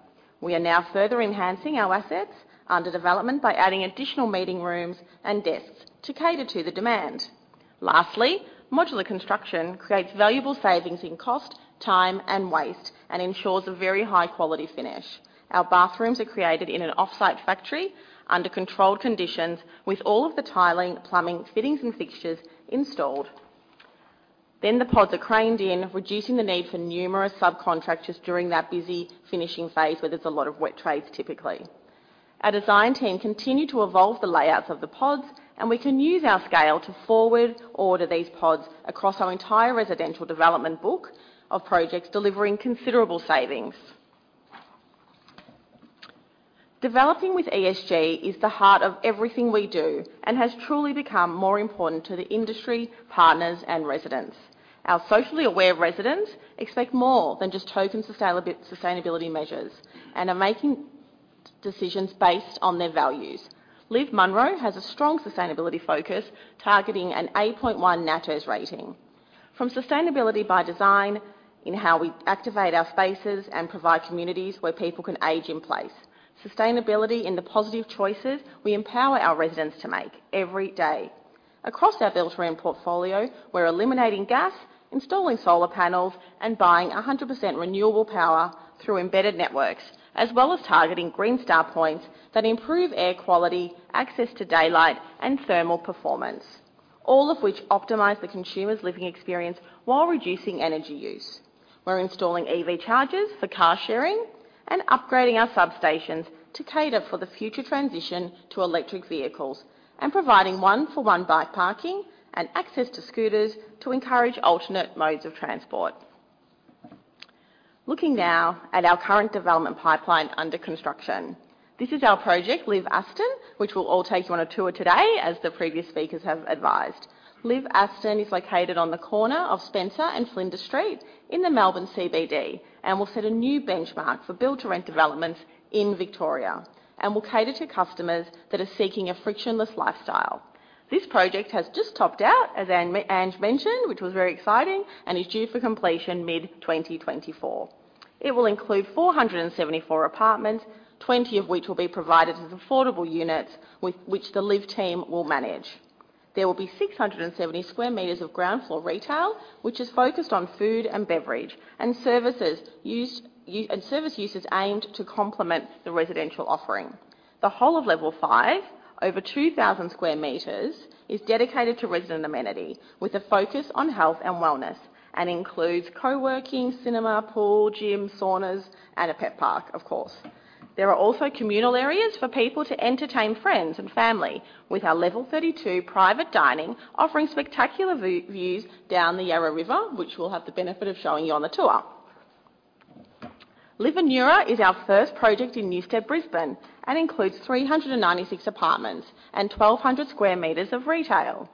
We are now further enhancing our assets under development by adding additional meeting rooms and desks to cater to the demand. Lastly, modular construction creates valuable savings in cost, time, and waste and ensures a very high-quality finish. Our bathrooms are created in an off-site factory under controlled conditions, with all of the tiling, plumbing, fittings, and fixtures installed. Then the pods are craned in, reducing the need for numerous subcontractors during that busy finishing phase, where there's a lot of wet trades typically. Our design team continue to evolve the layouts of the pods, and we can use our scale to forward-order these pods across our entire residential development book of projects, delivering considerable savings. Developing with ESG is the heart of everything we do and has truly become more important to the industry, partners, and residents. Our socially aware residents expect more than just token sustainability measures and are making decisions based on their values. LIV Munro has a strong sustainability focus, targeting an 8.1 NABERS rating. From sustainability by design in how we activate our spaces and provide communities where people can age in place, sustainability in the positive choices we empower our residents to make every day... Across our build-to-rent portfolio, we're eliminating gas, installing solar panels, and buying 100% renewable power through embedded networks, as well as targeting Green Star points that improve air quality, access to daylight, and thermal performance, all of which optimize the consumer's living experience while reducing energy use. We're installing EV chargers for car sharing and upgrading our substations to cater for the future transition to electric vehicles, and providing one-for-one bike parking and access to scooters to encourage alternate modes of transport. Looking now at our current development pipeline under construction. This is our project, LIV Aston, which we'll all take you on a tour today, as the previous speakers have advised. LIV Aston is located on the corner of Spencer and Flinders Street in the Melbourne CBD, and will set a new benchmark for build-to-rent developments in Victoria, and will cater to customers that are seeking a frictionless lifestyle. This project has just topped out, as Angela mentioned, which was very exciting, and is due for completion mid-2024. It will include 474 apartments, 20 of which will be provided as affordable units, with which the LIV team will manage. There will be 670 square meters of ground floor retail, which is focused on food and beverage, and services used and service uses aimed to complement the residential offering. The whole of level 5, over 2,000 square meters, is dedicated to resident amenity, with a focus on health and wellness, and includes co-working, cinema, pool, gym, saunas, and a pet park, of course. There are also communal areas for people to entertain friends and family, with our level 32 private dining offering spectacular views down the Yarra River, which we'll have the benefit of showing you on the tour. LIV Anura is our first project in Newstead, Brisbane, and includes 396 apartments and 1,200 square meters of retail.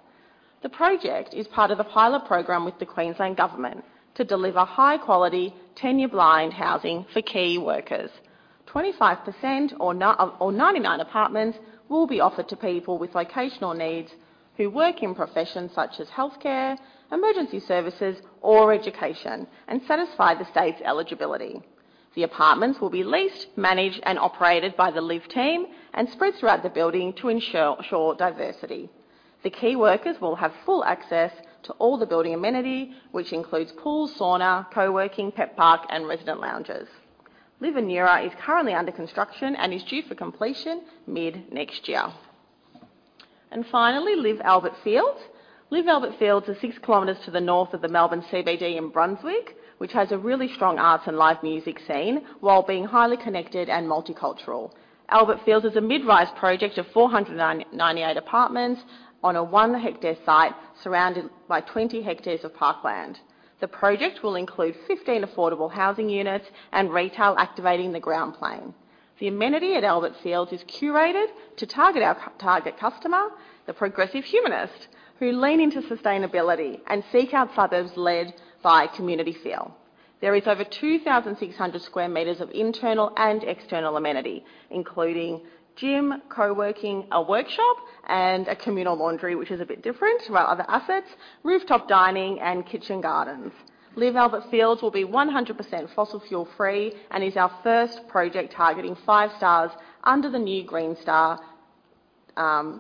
The project is part of a pilot program with the Queensland Government to deliver high-quality, tenure-blind housing for key workers. 25%, or 99 apartments will be offered to people with locational needs who work in professions such as healthcare, emergency services, or education, and satisfy the state's eligibility. The apartments will be leased, managed, and operated by the LIV team and spread throughout the building to ensure diversity. The key workers will have full access to all the building amenity, which includes pool, sauna, co-working, pet park, and resident lounges. LIV Anura is currently under construction and is due for completion mid-next year. Finally, LIV Albert Fields. LIV Albert Fields is 6 kms to the north of the Melbourne CBD in Brunswick, which has a really strong arts and live music scene, while being highly connected and multicultural. Albert Fields is a mid-rise project of 498 apartments on a 1-hectare site, surrounded by 20 hectares of parkland. The project will include 15 affordable housing units and retail activating the ground plane. The amenity at Albert Fields is curated to target our target customer, the progressive humanist, who lean into sustainability and seek out others led by community feel. There is over 2,600 sq m of internal and external amenity, including gym, co-working, a workshop, and a communal laundry, which is a bit different from our other assets, rooftop dining, and kitchen gardens. LIV Albert Fields will be 100% fossil fuel-free and is our first project targeting five stars under the new Green Star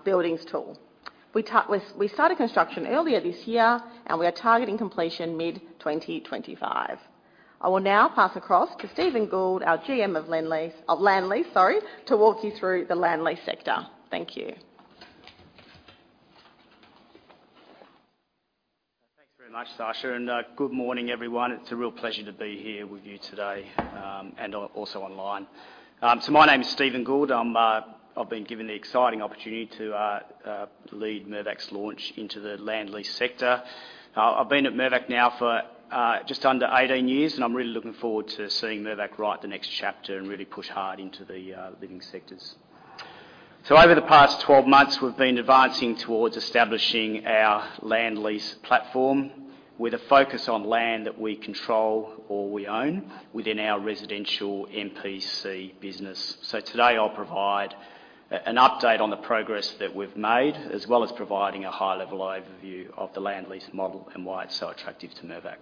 Buildings tool. We started construction earlier this year, and we are targeting completion mid-2025. I will now pass across to Stephen Gould, our GM of land lease, sorry, to walk you through the land lease sector. Thank you. Thanks very much, Sarsha, and good morning, everyone. It's a real pleasure to be here with you today, and also online. So my name is Stephen Gould. I've been given the exciting opportunity to lead Mirvac's launch into the land lease sector. I've been at Mirvac now for just under 18 years, and I'm really looking forward to seeing Mirvac write the next chapter and really push hard into the living sectors. So over the past 12 months, we've been advancing towards establishing our land lease platform with a focus on land that we control or we own within our residential MPC business. So today, I'll provide an update on the progress that we've made, as well as providing a high-level overview of the land lease model and why it's so attractive to Mirvac.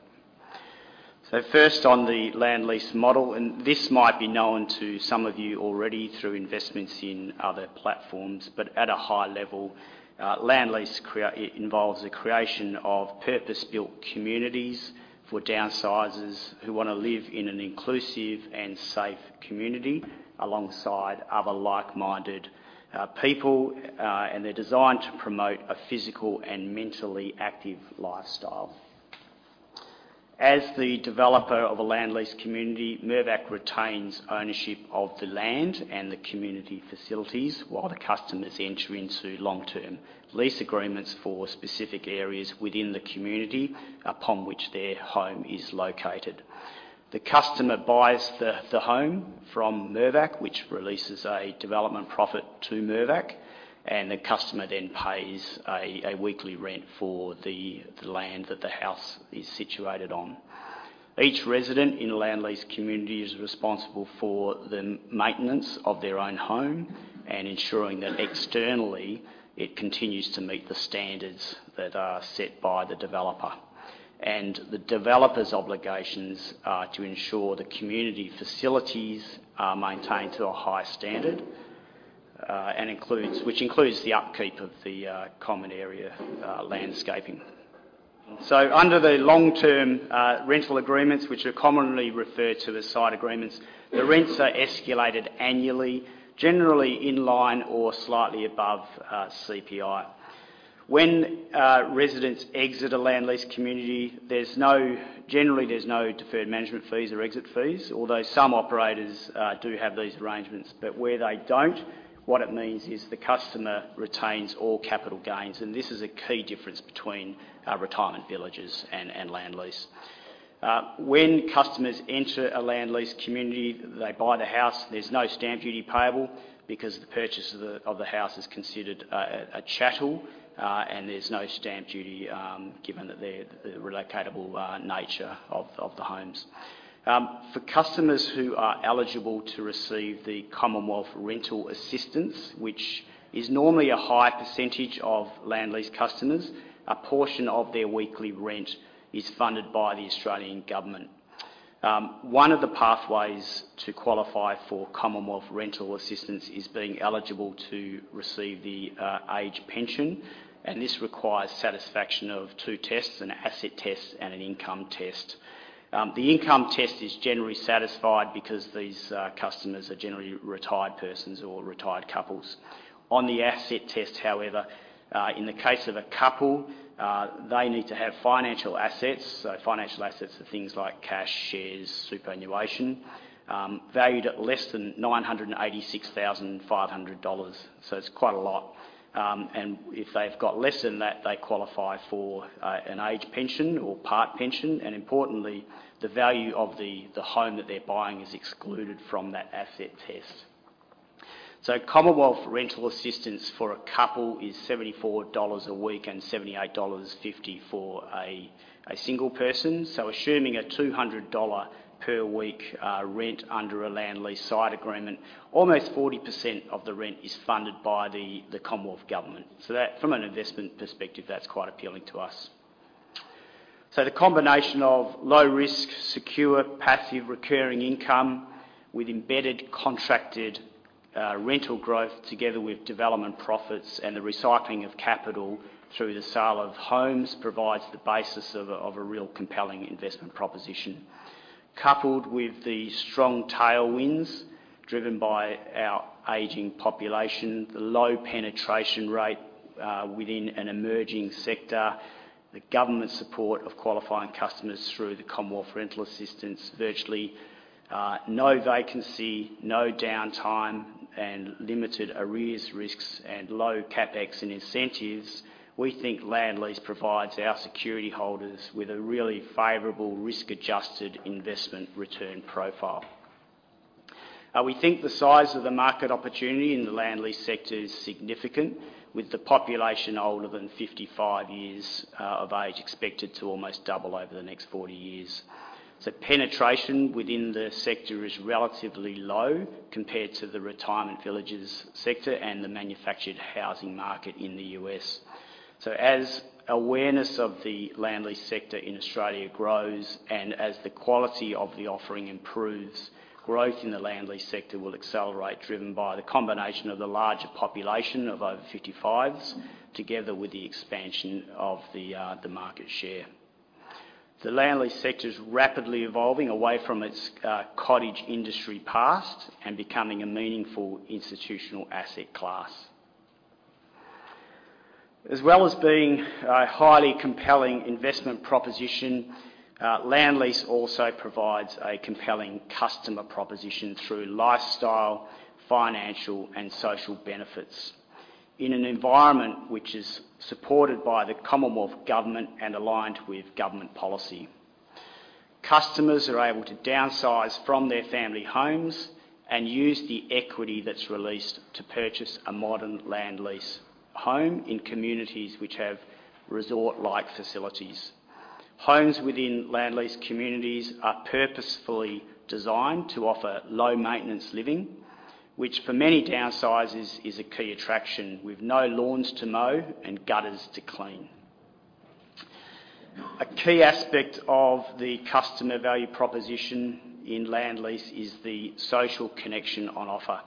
So first, on the land lease model, and this might be known to some of you already through investments in other platforms, but at a high level, land lease creation involves the creation of purpose-built communities for downsizers who want to live in an inclusive and safe community alongside other like-minded people, and they're designed to promote a physical and mentally active lifestyle. As the developer of a land lease community, Mirvac retains ownership of the land and the community facilities while the customers enter into long-term lease agreements for specific areas within the community upon which their home is located. The customer buys the home from Mirvac, which releases a development profit to Mirvac, and the customer then pays a weekly rent for the land that the house is situated on. Each resident in a land lease community is responsible for the maintenance of their own home and ensuring that externally, it continues to meet the standards that are set by the developer. And the developer's obligations are to ensure the community facilities are maintained to a high standard, and includes, which includes the upkeep of the common area, landscaping. So under the long-term rental agreements, which are commonly referred to as site agreements, the rents are escalated annually, generally in line or slightly above CPI. When residents exit a land lease community, there's no- generally, there's no deferred management fees or exit fees, although some operators do have these arrangements. But where they don't, what it means is the customer retains all capital gains, and this is a key difference between retirement villages and land lease. When customers enter a land lease community, they buy the house. There's no stamp duty payable because the purchase of the house is considered a chattel, and there's no stamp duty given that the relocatable nature of the homes. For customers who are eligible to receive the Commonwealth Rental Assistance, which is normally a high percentage of land lease customers, a portion of their weekly rent is funded by the Australian government. One of the pathways to qualify for Commonwealth Rental Assistance is being eligible to receive the age pension, and this requires satisfaction of two tests: an asset test and an income test. The income test is generally satisfied because these customers are generally retired persons or retired couples. On the asset test, however, in the case of a couple, they need to have financial assets, so financial assets are things like cash, shares, superannuation, valued at less than 986,500 dollars, so it's quite a lot. If they've got less than that, they qualify for an age pension or part pension, and importantly, the value of the home that they're buying is excluded from that asset test. So Commonwealth Rental Assistance for a couple is 74 dollars a week and 78.50 dollars for a single person. So assuming a 200 dollar per week rent under a land lease site agreement, almost 40% of the rent is funded by the Commonwealth Government. So that, from an investment perspective, that's quite appealing to us. So the combination of low risk, secure, passive, recurring income with embedded contracted, rental growth together with development profits and the recycling of capital through the sale of homes provides the basis of a real compelling investment proposition. Coupled with the strong tailwinds driven by our aging population, the low penetration rate, within an emerging sector, the government support of qualifying customers through the Commonwealth Rental Assistance, virtually, no vacancy, no downtime, and limited arrears risks, and low CapEx and incentives, we think land lease provides our security holders with a really favorable risk-adjusted investment return profile. We think the size of the market opportunity in the land lease sector is significant, with the population older than 55 years, of age, expected to almost double over the next 40 years. Penetration within the sector is relatively low compared to the retirement villages sector and the manufactured housing market in the U.S. As awareness of the land lease sector in Australia grows, and as the quality of the offering improves, growth in the land lease sector will accelerate, driven by the combination of the larger population of over 55s, together with the expansion of the market share. The land lease sector is rapidly evolving away from its cottage industry past and becoming a meaningful institutional asset class. As well as being a highly compelling investment proposition, land lease also provides a compelling customer proposition through lifestyle, financial, and social benefits in an environment which is supported by the Commonwealth Government and aligned with government policy. Customers are able to downsize from their family homes and use the equity that's released to purchase a modern land lease home in communities which have resort-like facilities. Homes within land lease communities are purposefully designed to offer low-maintenance living, which for many downsizers, is a key attraction, with no lawns to mow and gutters to clean. A key aspect of the customer value proposition in land lease is the social connection on offer.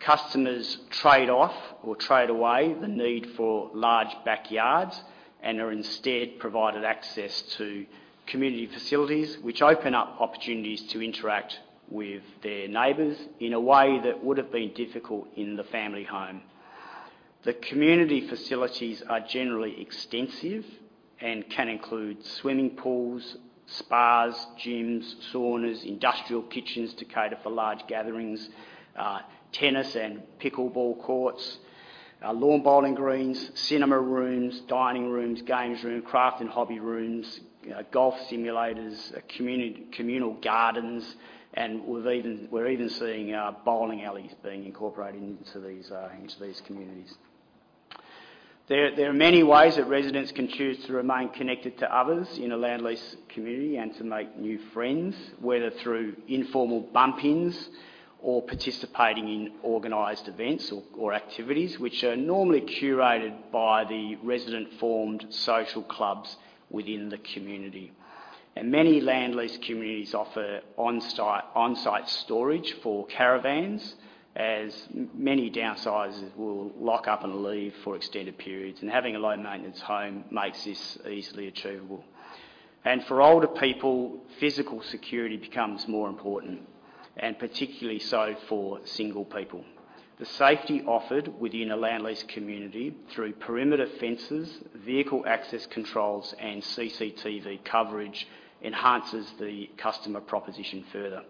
Customers trade off or trade away the need for large backyards and are instead provided access to community facilities, which open up opportunities to interact with their neighbors in a way that would have been difficult in the family home. The community facilities are generally extensive and can include swimming pools, spas, gyms, saunas, industrial kitchens to cater for large gatherings, tennis and pickleball courts, lawn bowling greens, cinema rooms, dining rooms, games room, craft and hobby rooms, golf simulators, communal gardens, and we're even seeing bowling alleys being incorporated into these communities. There are many ways that residents can choose to remain connected to others in a land lease community and to make new friends, whether through informal bump-ins or participating in organized events or activities, which are normally curated by the resident-formed social clubs within the community. Many land lease communities offer on-site storage for caravans, as many downsizers will lock up and leave for extended periods, and having a low-maintenance home makes this easily achievable. For older people, physical security becomes more important, and particularly so for single people. The safety offered within a land lease community through perimeter fences, vehicle access controls, and CCTV coverage enhances the customer proposition further.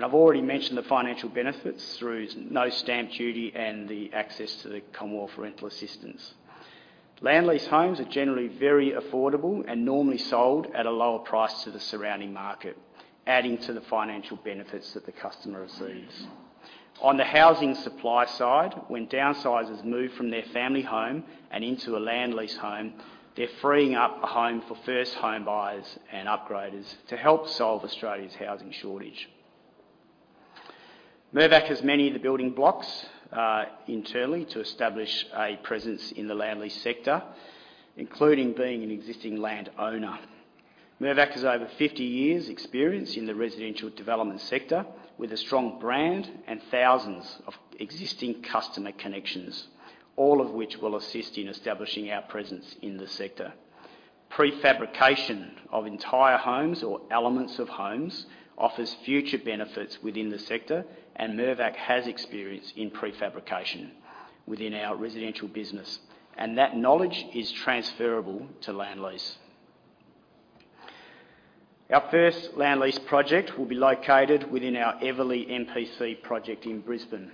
I've already mentioned the financial benefits through no stamp duty and the access to the Commonwealth Rental Assistance. Land lease homes are generally very affordable and normally sold at a lower price to the surrounding market, adding to the financial benefits that the customer receives. On the housing supply side, when downsizers move from their family home and into a land lease home, they're freeing up a home for first home buyers and upgraders to help solve Australia's housing shortage. Mirvac has many of the building blocks, internally, to establish a presence in the land lease sector, including being an existing land owner. Mirvac has over 50 years' experience in the residential development sector, with a strong brand and thousands of existing customer connections, all of which will assist in establishing our presence in the sector. Prefabrication of entire homes or elements of homes offers future benefits within the sector, and Mirvac has experience in prefabrication within our residential business, and that knowledge is transferable to land lease. Our first land lease project will be located within our Everleigh MPC project in Brisbane,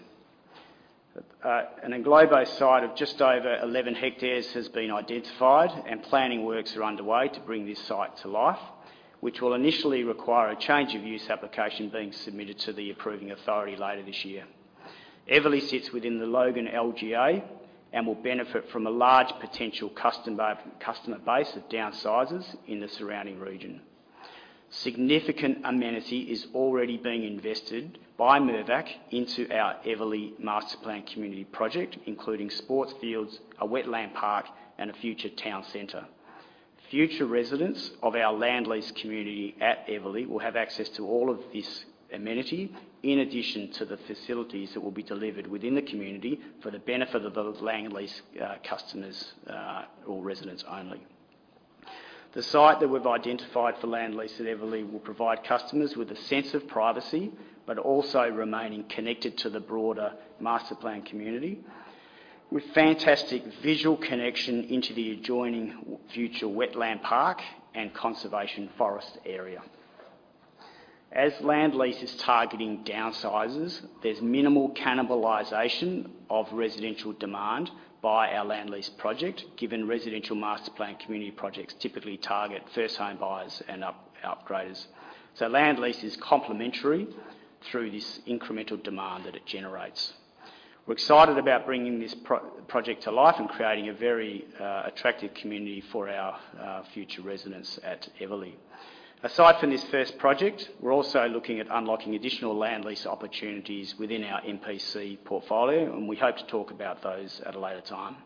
and a global site of just over 11 hectares has been identified, and planning works are underway to bring this site to life, which will initially require a change of use application being submitted to the approving authority later this year. Everleigh sits within the Logan LGA and will benefit from a large potential customer base of downsizers in the surrounding region. Significant amenity is already being invested by Mirvac into our Everleigh master planned community project, including sports fields, a wetland park, and a future town center. Future residents of our Land Lease community at Everleigh will have access to all of this amenity, in addition to the facilities that will be delivered within the community for the benefit of the Land Lease customers or residents only. The site that we've identified for Land Lease at Everleigh will provide customers with a sense of privacy, but also remaining connected to the broader master planned community, with fantastic visual connection into the adjoining future wetland park and conservation forest area. As Land Lease is targeting downsizers, there's minimal cannibalization of residential demand by our Land Lease project, given residential master planned community projects typically target first home buyers and upgraders. So land lease is complementary through this incremental demand that it generates. We're excited about bringing this project to life and creating a very attractive community for our future residents at Everleigh. Aside from this first project, we're also looking at unlocking additional land lease opportunities within our MPC portfolio, and we hope to talk about those at a later time.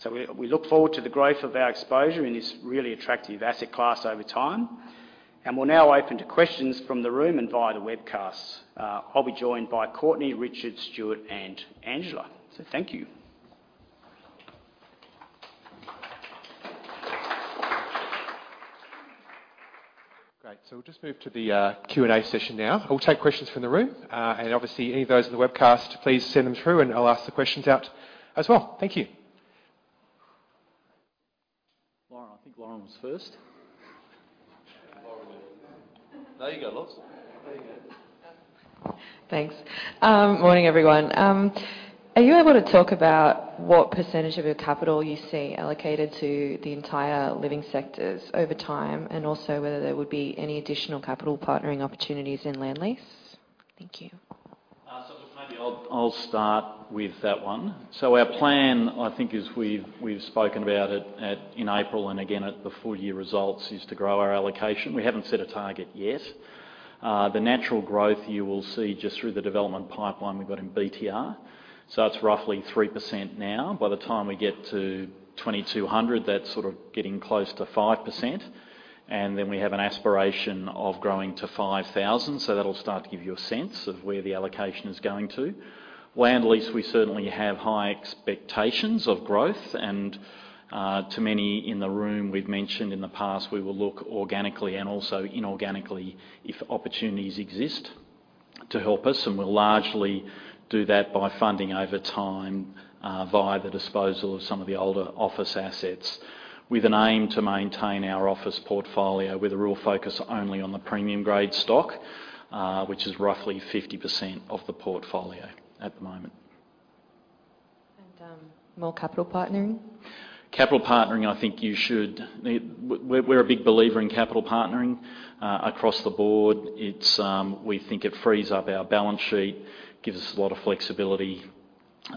So we look forward to the growth of our exposure in this really attractive asset class over time, and we'll now open to questions from the room and via the webcast. I'll be joined by Courtenay, Richard, Stuart, and Angela. So thank you. Great. So we'll just move to the Q&A session now. I'll take questions from the room, and obviously, any of those in the webcast, please send them through, and I'll ask the questions out as well. Thank you. Lauren, I think Lauren was first. Lauren. There you go, loves. There you go. Thanks. Morning, everyone. Are you able to talk about what percentage of your capital you see allocated to the entire living sectors over time, and also whether there would be any additional capital partnering opportunities in land lease? Thank you. So maybe I'll start with that one. So our plan, I think, as we've spoken about it at, in April and again at the full-year results, is to grow our allocation. We haven't set a target yet. The natural growth you will see just through the development pipeline we've got in BTR, so that's roughly 3% now. By the time we get to 2,200, that's sort of getting close to 5%, and then we have an aspiration of growing to 5,000, so that'll start to give you a sense of where the allocation is going to. Land Lease, we certainly have high expectations of growth and, to many in the room, we've mentioned in the past, we will look organically and also inorganically if opportunities exist to help us, and we'll largely do that by funding over time, via the disposal of some of the older office assets, with an aim to maintain our office portfolio, with a real focus only on the premium grade stock, which is roughly 50% of the portfolio at the moment. And, more capital partnering? Capital partnering, I think you should... We're a big believer in capital partnering, across the board. We think it frees up our balance sheet, gives us a lot of flexibility,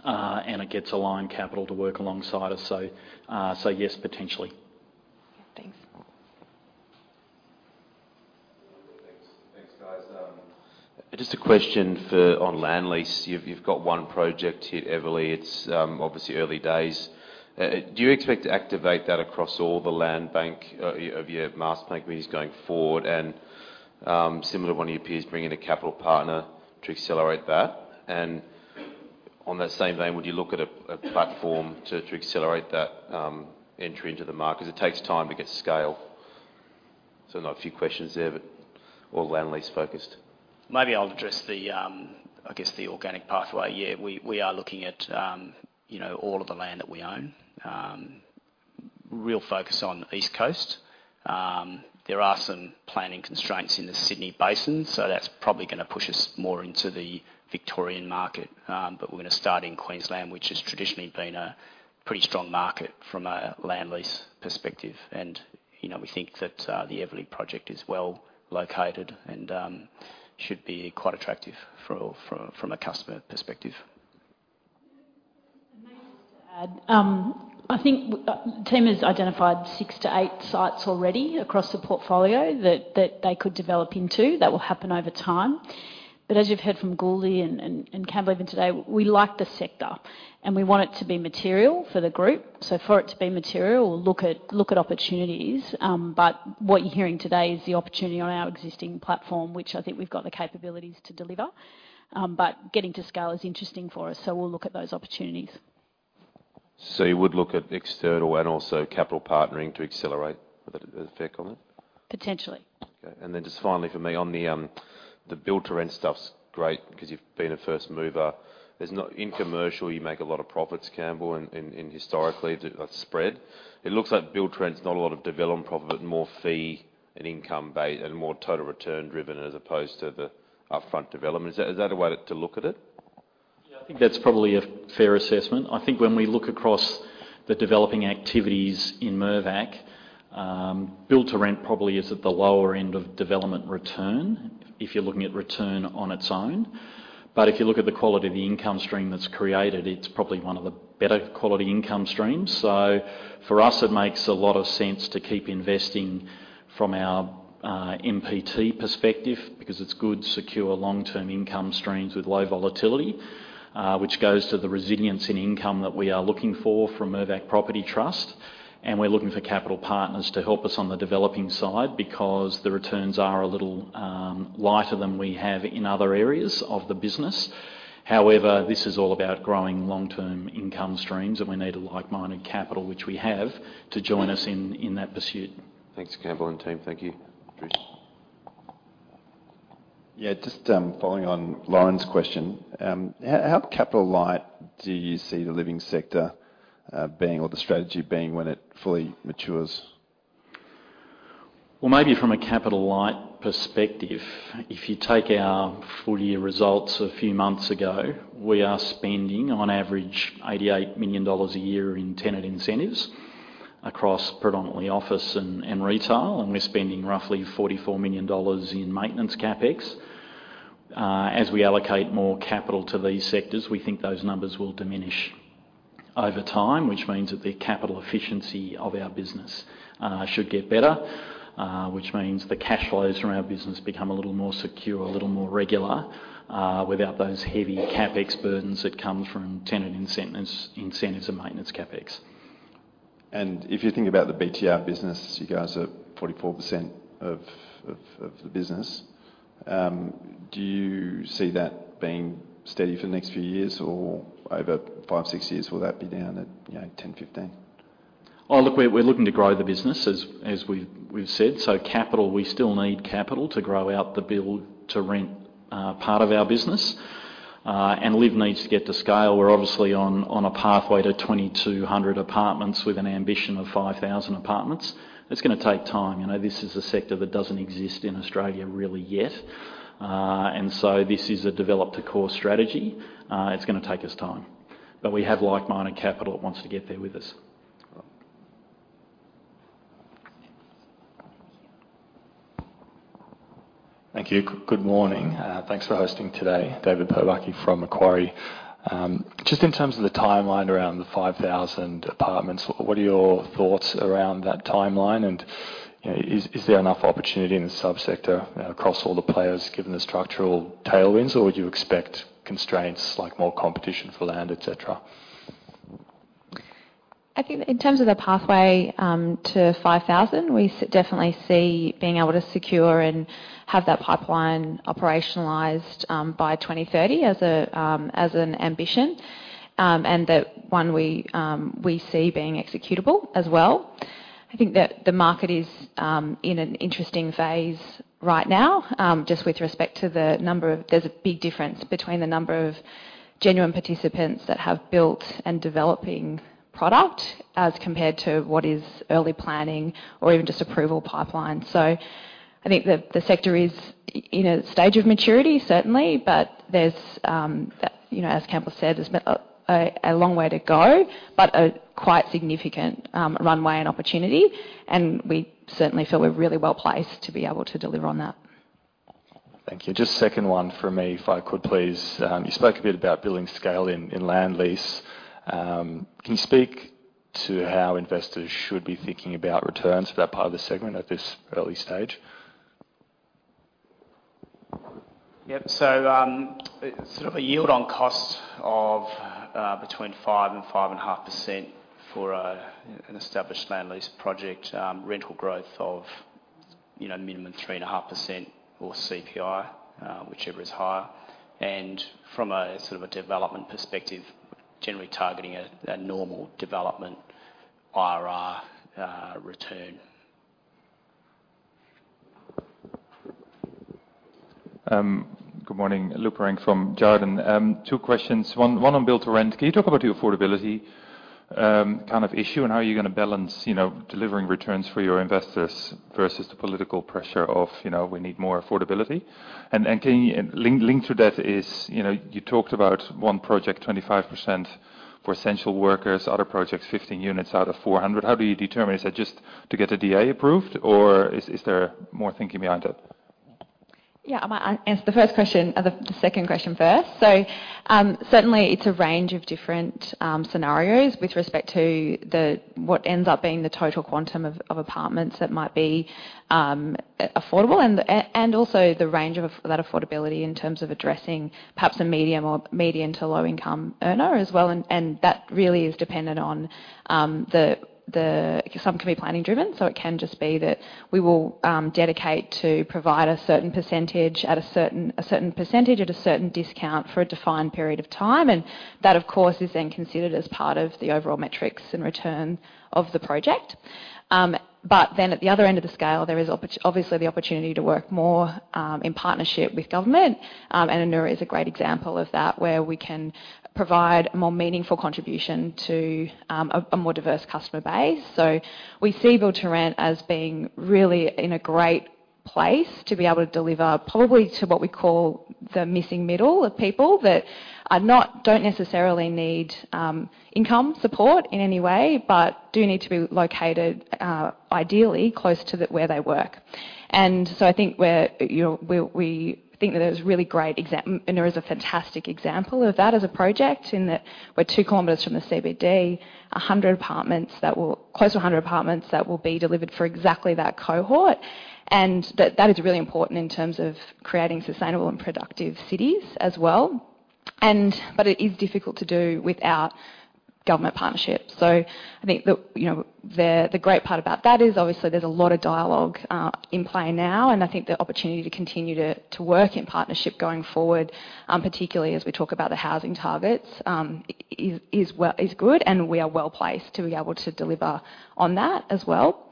and it gets aligned capital to work alongside us. Yes, potentially.... Thanks. Thanks, guys. Just a question for—on land lease. You've got one project here, Everleigh. It's obviously early days. Do you expect to activate that across all the land bank of your master planned communities going forward? And similar to one of your peers, bring in a capital partner to accelerate that. And on that same vein, would you look at a platform to accelerate that entry into the market? 'Cause it takes time to get scale. So I know a few questions there, but all land lease focused. Maybe I'll address the, I guess, the organic pathway. Yeah, we are looking at, you know, all of the land that we own. Real focus on the East Coast. There are some planning constraints in the Sydney Basin, so that's probably gonna push us more into the Victorian market. But we're gonna start in Queensland, which has traditionally been a pretty strong market from a land lease perspective. And, you know, we think that the Everleigh project is well located and should be quite attractive from a customer perspective. May I just add, I think the team has identified 6-8 sites already across the portfolio that they could develop into. That will happen over time. As you've heard from Gould and Campbell even today, we like the sector, and we want it to be material for the group. For it to be material, we'll look at opportunities. What you're hearing today is the opportunity on our existing platform, which I think we've got the capabilities to deliver. Getting to scale is interesting for us, so we'll look at those opportunities. You would look at external and also capital partnering to accelerate. Is that a fair comment? Potentially. Okay. And then just finally for me, on the build-to-rent stuff's great because you've been a first mover. There's no. In commercial, you make a lot of profits, Campbell, and historically, the spread. It looks like build-to-rent's not a lot of development profit, but more fee and income-based and more total return driven, as opposed to the upfront development. Is that a way to look at it? Yeah, I think that's probably a fair assessment. I think when we look across the developing activities in Mirvac, build-to-rent probably is at the lower end of development return, if you're looking at return on its own. But if you look at the quality of the income stream that's created, it's probably one of the better quality income streams. So for us, it makes a lot of sense to keep investing from our, MPT perspective because it's good, secure, long-term income streams with low volatility, which goes to the resilience in income that we are looking for from Mirvac Property Trust. We're looking for capital partners to help us on the developing side because the returns are a little, lighter than we have in other areas of the business. However, this is all about growing long-term income streams, and we need a like-minded capital, which we have, to join us in, in that pursuit. Thanks, Campbell and team. Thank you. Yeah, just following on Lauren's question, how capital light do you see the living sector being, or the strategy being when it fully matures? Well, maybe from a capital light perspective, if you take our full year results a few months ago, we are spending on average 88 million dollars a year in tenant incentives across predominantly office and, and retail, and we're spending roughly 44 million dollars in maintenance CapEx. As we allocate more capital to these sectors, we think those numbers will diminish over time, which means that the capital efficiency of our business should get better, which means the cash flows from our business become a little more secure, a little more regular, without those heavy CapEx burdens that come from tenant incentives, incentives and maintenance CapEx. If you think about the BTR business, you guys are 44% of the business. Do you see that being steady for the next few years, or over five, six years, will that be down at, you know, 10, 15? Oh, look, we're looking to grow the business as we've said. So capital, we still need capital to grow out the build-to-rent part of our business. And LIV needs to get to scale. We're obviously on a pathway to 2,200 apartments with an ambition of 5,000 apartments. It's gonna take time. You know, this is a sector that doesn't exist in Australia really yet. And so this is a develop to core strategy. It's gonna take us time. But we have like-minded capital that wants to get there with us. Cool. Thank you. Good morning. Thanks for hosting today. David Pobucky from Macquarie. Just in terms of the timeline around the 5,000 apartments, what are your thoughts around that timeline? And, you know, is, is there enough opportunity in the subsector across all the players, given the structural tailwinds, or would you expect constraints, like more competition for land, et cetera? I think in terms of the pathway to 5,000, we definitely see being able to secure and have that pipeline operationalized by 2030 as an ambition, and the one we see being executable as well. I think that the market is in an interesting phase right now, just with respect to the number of... There's a big difference between the number of genuine participants that have built and developing product as compared to what is early planning or even just approval pipeline. So I think the sector is in a stage of maturity, certainly, but there's that, you know, as Campbell said, there's a long way to go, but a quite significant runway and opportunity, and we certainly feel we're really well placed to be able to deliver on that.... Thank you. Just second one for me, if I could please. You spoke a bit about building scale in land lease. Can you speak to how investors should be thinking about returns for that part of the segment at this early stage? Yep. So, sort of a yield on cost of between 5% and 5.5% for an established Land Lease project. Rental growth of, you know, minimum 3.5% or CPI, whichever is higher. And from a sort of a development perspective, generally targeting a normal development IRR return. Good morning. Lou Pirenc from Jarden. Two questions, one on build to rent. Can you talk about the affordability issue, and how are you gonna balance, you know, delivering returns for your investors versus the political pressure of, you know, we need more affordability? Can you, you know, link to that is, you know, you talked about one project, 25% for essential workers, other projects, 15 units out of 400. How do you determine? Is that just to get the DA approved, or is there more thinking behind it? Yeah, I might answer the first question or the second question first. So, certainly it's a range of different scenarios with respect to what ends up being the total quantum of apartments that might be affordable, and also the range of that affordability in terms of addressing perhaps a medium- or medium- to low-income earner as well. And that really is dependent on... Some can be planning driven, so it can just be that we will dedicate to provide a certain percentage at a certain discount for a defined period of time, and that, of course, is then considered as part of the overall metrics and return of the project. But then at the other end of the scale, there is obviously the opportunity to work more in partnership with government, and Anura is a great example of that, where we can provide a more meaningful contribution to a more diverse customer base. So we see build to rent as being really in a great place to be able to deliver probably to what we call the missing middle of people that don't necessarily need income support in any way, but do need to be located ideally close to the where they work. So I think we're, you know, we think that there's really great example—Anura is a fantastic example of that as a project, in that we're two kilometers from the CBD, 100 apartments that will—close to 100 apartments, that will be delivered for exactly that cohort. And that is really important in terms of creating sustainable and productive cities as well. But it is difficult to do without government partnerships. So I think the, you know, the great part about that is, obviously there's a lot of dialogue in play now, and I think the opportunity to continue to work in partnership going forward, particularly as we talk about the housing targets, is good, and we are well placed to be able to deliver on that as well.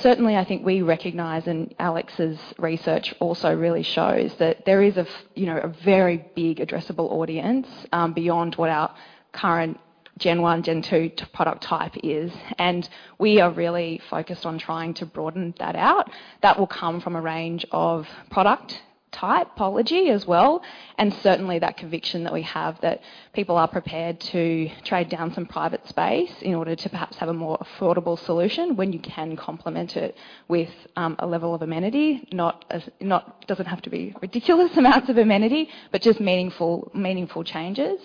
Certainly, I think we recognize, and Alex's research also really shows, that there is, you know, a very big addressable audience beyond what our current Gen 1, Gen 2 product type is, and we are really focused on trying to broaden that out. That will come from a range of product typology as well, and certainly that conviction that we have, that people are prepared to trade down some private space in order to perhaps have a more affordable solution when you can complement it with a level of amenity. Not as, doesn't have to be ridiculous amounts of amenity, but just meaningful, meaningful changes.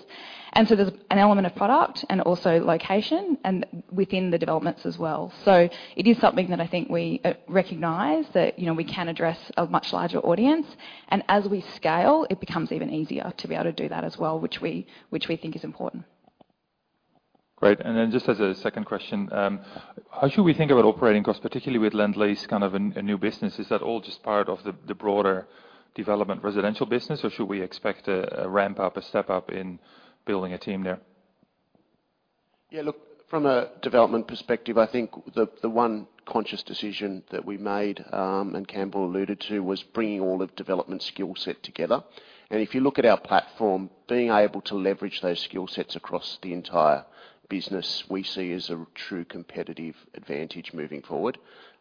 So there's an element of product and also location, and within the developments as well. It is something that I think we recognize that, you know, we can address a much larger audience, and as we scale, it becomes even easier to be able to do that as well, which we think is important. Great. And then just as a second question, how should we think about operating costs, particularly with land lease, kind of a new business? Is that all just part of the broader development residential business, or should we expect a ramp up, a step up in building a team there? Yeah, look, from a development perspective, I think the one conscious decision that we made, and Campbell alluded to, was bringing all the development skill set together. And if you look at our platform, being able to leverage those skill sets across the entire business, we see as a true competitive advantage moving forward.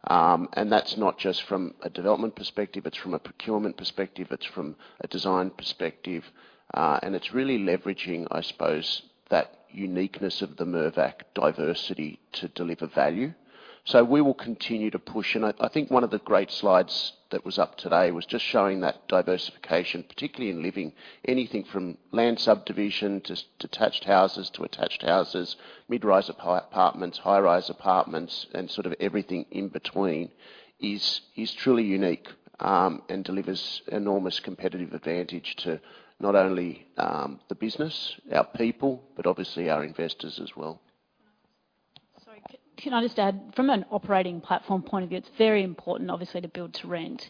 And that's not just from a development perspective, it's from a procurement perspective, it's from a design perspective, and it's really leveraging, I suppose, that uniqueness of the Mirvac diversity to deliver value. We will continue to push, and I think one of the great slides that was up today was just showing that diversification, particularly in living, anything from land subdivision, to detached houses, to attached houses, mid-rise apartments, high-rise apartments, and sort of everything in between, is truly unique, and delivers enormous competitive advantage to not only the business, our people, but obviously our investors as well. Sorry, can I just add, from an operating platform point of view, it's very important, obviously, to build to rent.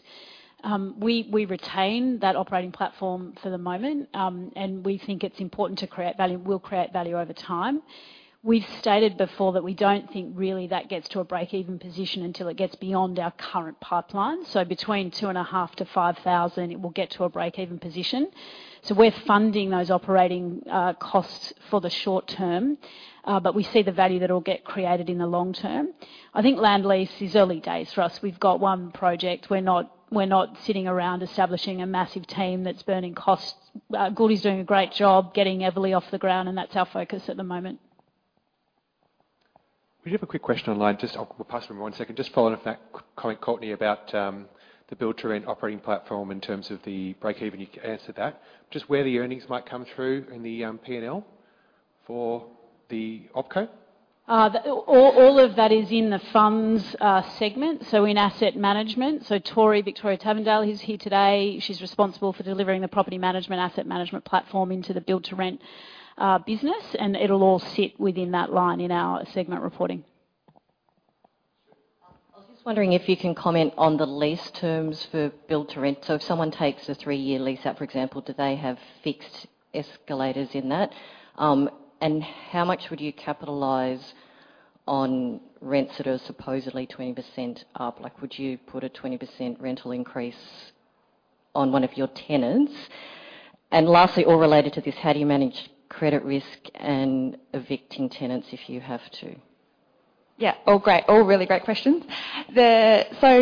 We retain that operating platform for the moment, and we think it's important to create value, will create value over time. We've stated before that we don't think really that gets to a break-even position until it gets beyond our current pipeline. So between 2.5 and 5,000, it will get to a break-even position. So we're funding those operating costs for the short term, but we see the value that will get created in the long term. I think land lease is early days for us. We've got one project. We're not sitting around establishing a massive team that's burning costs. Gould is doing a great job getting Everleigh off the ground, and that's our focus at the moment. ... We do have a quick question online. Just, I'll, we'll pass over one second. Just following up on that comment, Courtenay, about the build-to-rent operating platform in terms of the break-even, you answered that. Just where the earnings might come through in the PNL for the OpCo? All of that is in the funds segment, so in asset management. So Tori, Victoria Tavendale, who's here today, she's responsible for delivering the property management, asset management platform into the build-to-rent business, and it'll all sit within that line in our segment reporting. I was just wondering if you can comment on the lease terms for build-to-rent. So if someone takes a three-year lease out, for example, do they have fixed escalators in that? And how much would you capitalize on rents that are supposedly 20% up? Like, would you put a 20% rental increase on one of your tenants? And lastly, all related to this, how do you manage credit risk and evicting tenants if you have to? Yeah. All great-- all really great questions. The-- so,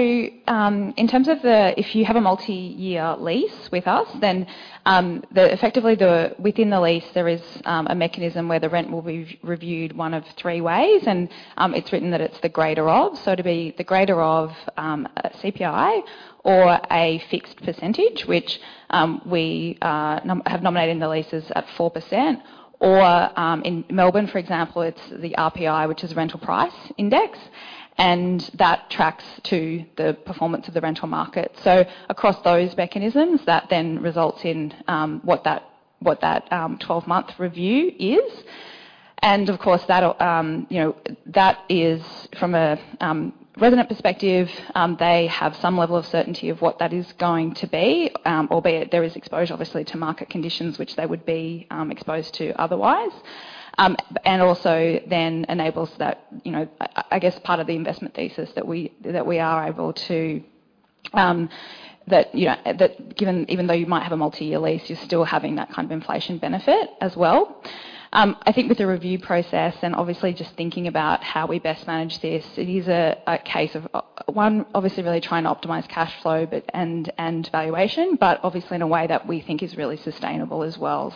in terms of the-- if you have a multi-year lease with us, then, the-- effectively, the, within the lease, there is, a mechanism where the rent will be reviewed one of three ways, and, it's written that it's the greater of, so it'll be the greater of, a CPI or a fixed percentage, which, we have nominated in the leases at 4%, or, in Melbourne, for example, it's the RPI, which is Rental Price Index, and that tracks to the performance of the rental market. So across those mechanisms, that then results in, what that, what that, twelve-month review is. Of course, that'll, you know, that is from a resident perspective, they have some level of certainty of what that is going to be, albeit there is exposure, obviously, to market conditions, which they would be exposed to otherwise. Also then enables that, you know, I guess part of the investment thesis that we are able to, that, you know, that given—even though you might have a multi-year lease, you're still having that kind of inflation benefit as well. I think with the review process and obviously just thinking about how we best manage this, it is a case of, one, obviously really trying to optimize cash flow, and valuation, but obviously in a way that we think is really sustainable as well.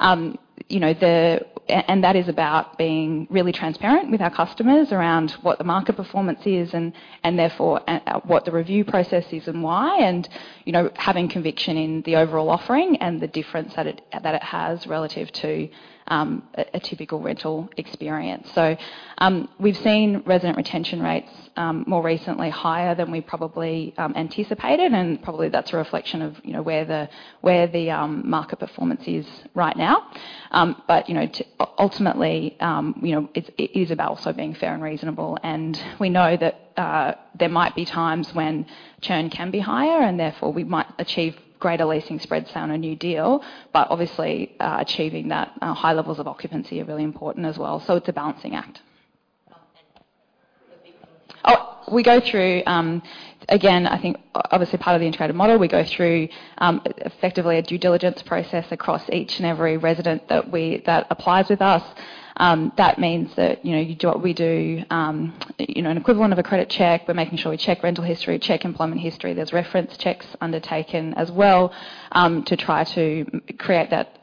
You know, the... That is about being really transparent with our customers around what the market performance is and, therefore, at what the review process is and why, and, you know, having conviction in the overall offering and the difference that it has relative to a typical rental experience. We've seen resident retention rates more recently higher than we probably anticipated, and probably that's a reflection of, you know, where the market performance is right now. You know, ultimately, it's about also being fair and reasonable, and we know that there might be times when churn can be higher, and therefore, we might achieve greater leasing spreads on a new deal. Obviously, achieving that high levels of occupancy are really important as well. It's a balancing act. and the people- Oh, we go through, again, I think, obviously, part of the integrated model, we go through, effectively a due diligence process across each and every resident that applies with us. That means that, you know, you do what we do, you know, an equivalent of a credit check. We're making sure we check rental history, check employment history. There's reference checks undertaken as well, to try to create that,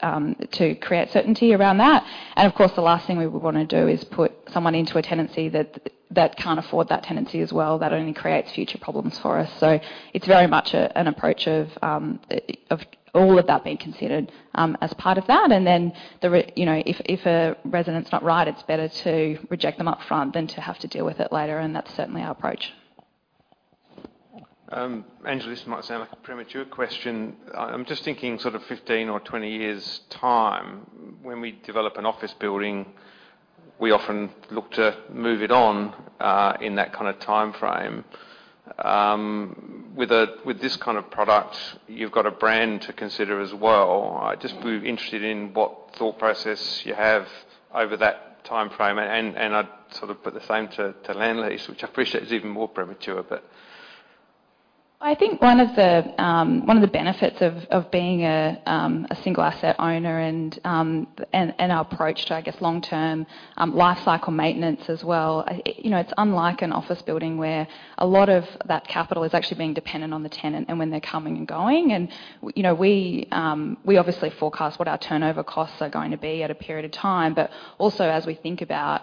to create certainty around that. And of course, the last thing we would wanna do is put someone into a tenancy that can't afford that tenancy as well. That only creates future problems for us. So it's very much an approach of all of that being considered, as part of that. And then, you know, if a resident's not right, it's better to reject them upfront than to have to deal with it later, and that's certainly our approach. Angela, this might sound like a premature question. I'm just thinking sort of 15 or 20 years' time, when we develop an office building, we often look to move it on, in that kind of timeframe. With this kind of product, you've got a brand to consider as well. I just be interested in what thought process you have over that timeframe, and I'd sort of put the same to land lease, which I appreciate is even more premature, but... I think one of the one of the benefits of being a single asset owner and our approach to, I guess, long-term life cycle maintenance as well, you know, it's unlike an office building where a lot of that capital is actually being dependent on the tenant and when they're coming and going. And, you know, we we obviously forecast what our turnover costs are going to be at a period of time, but also as we think about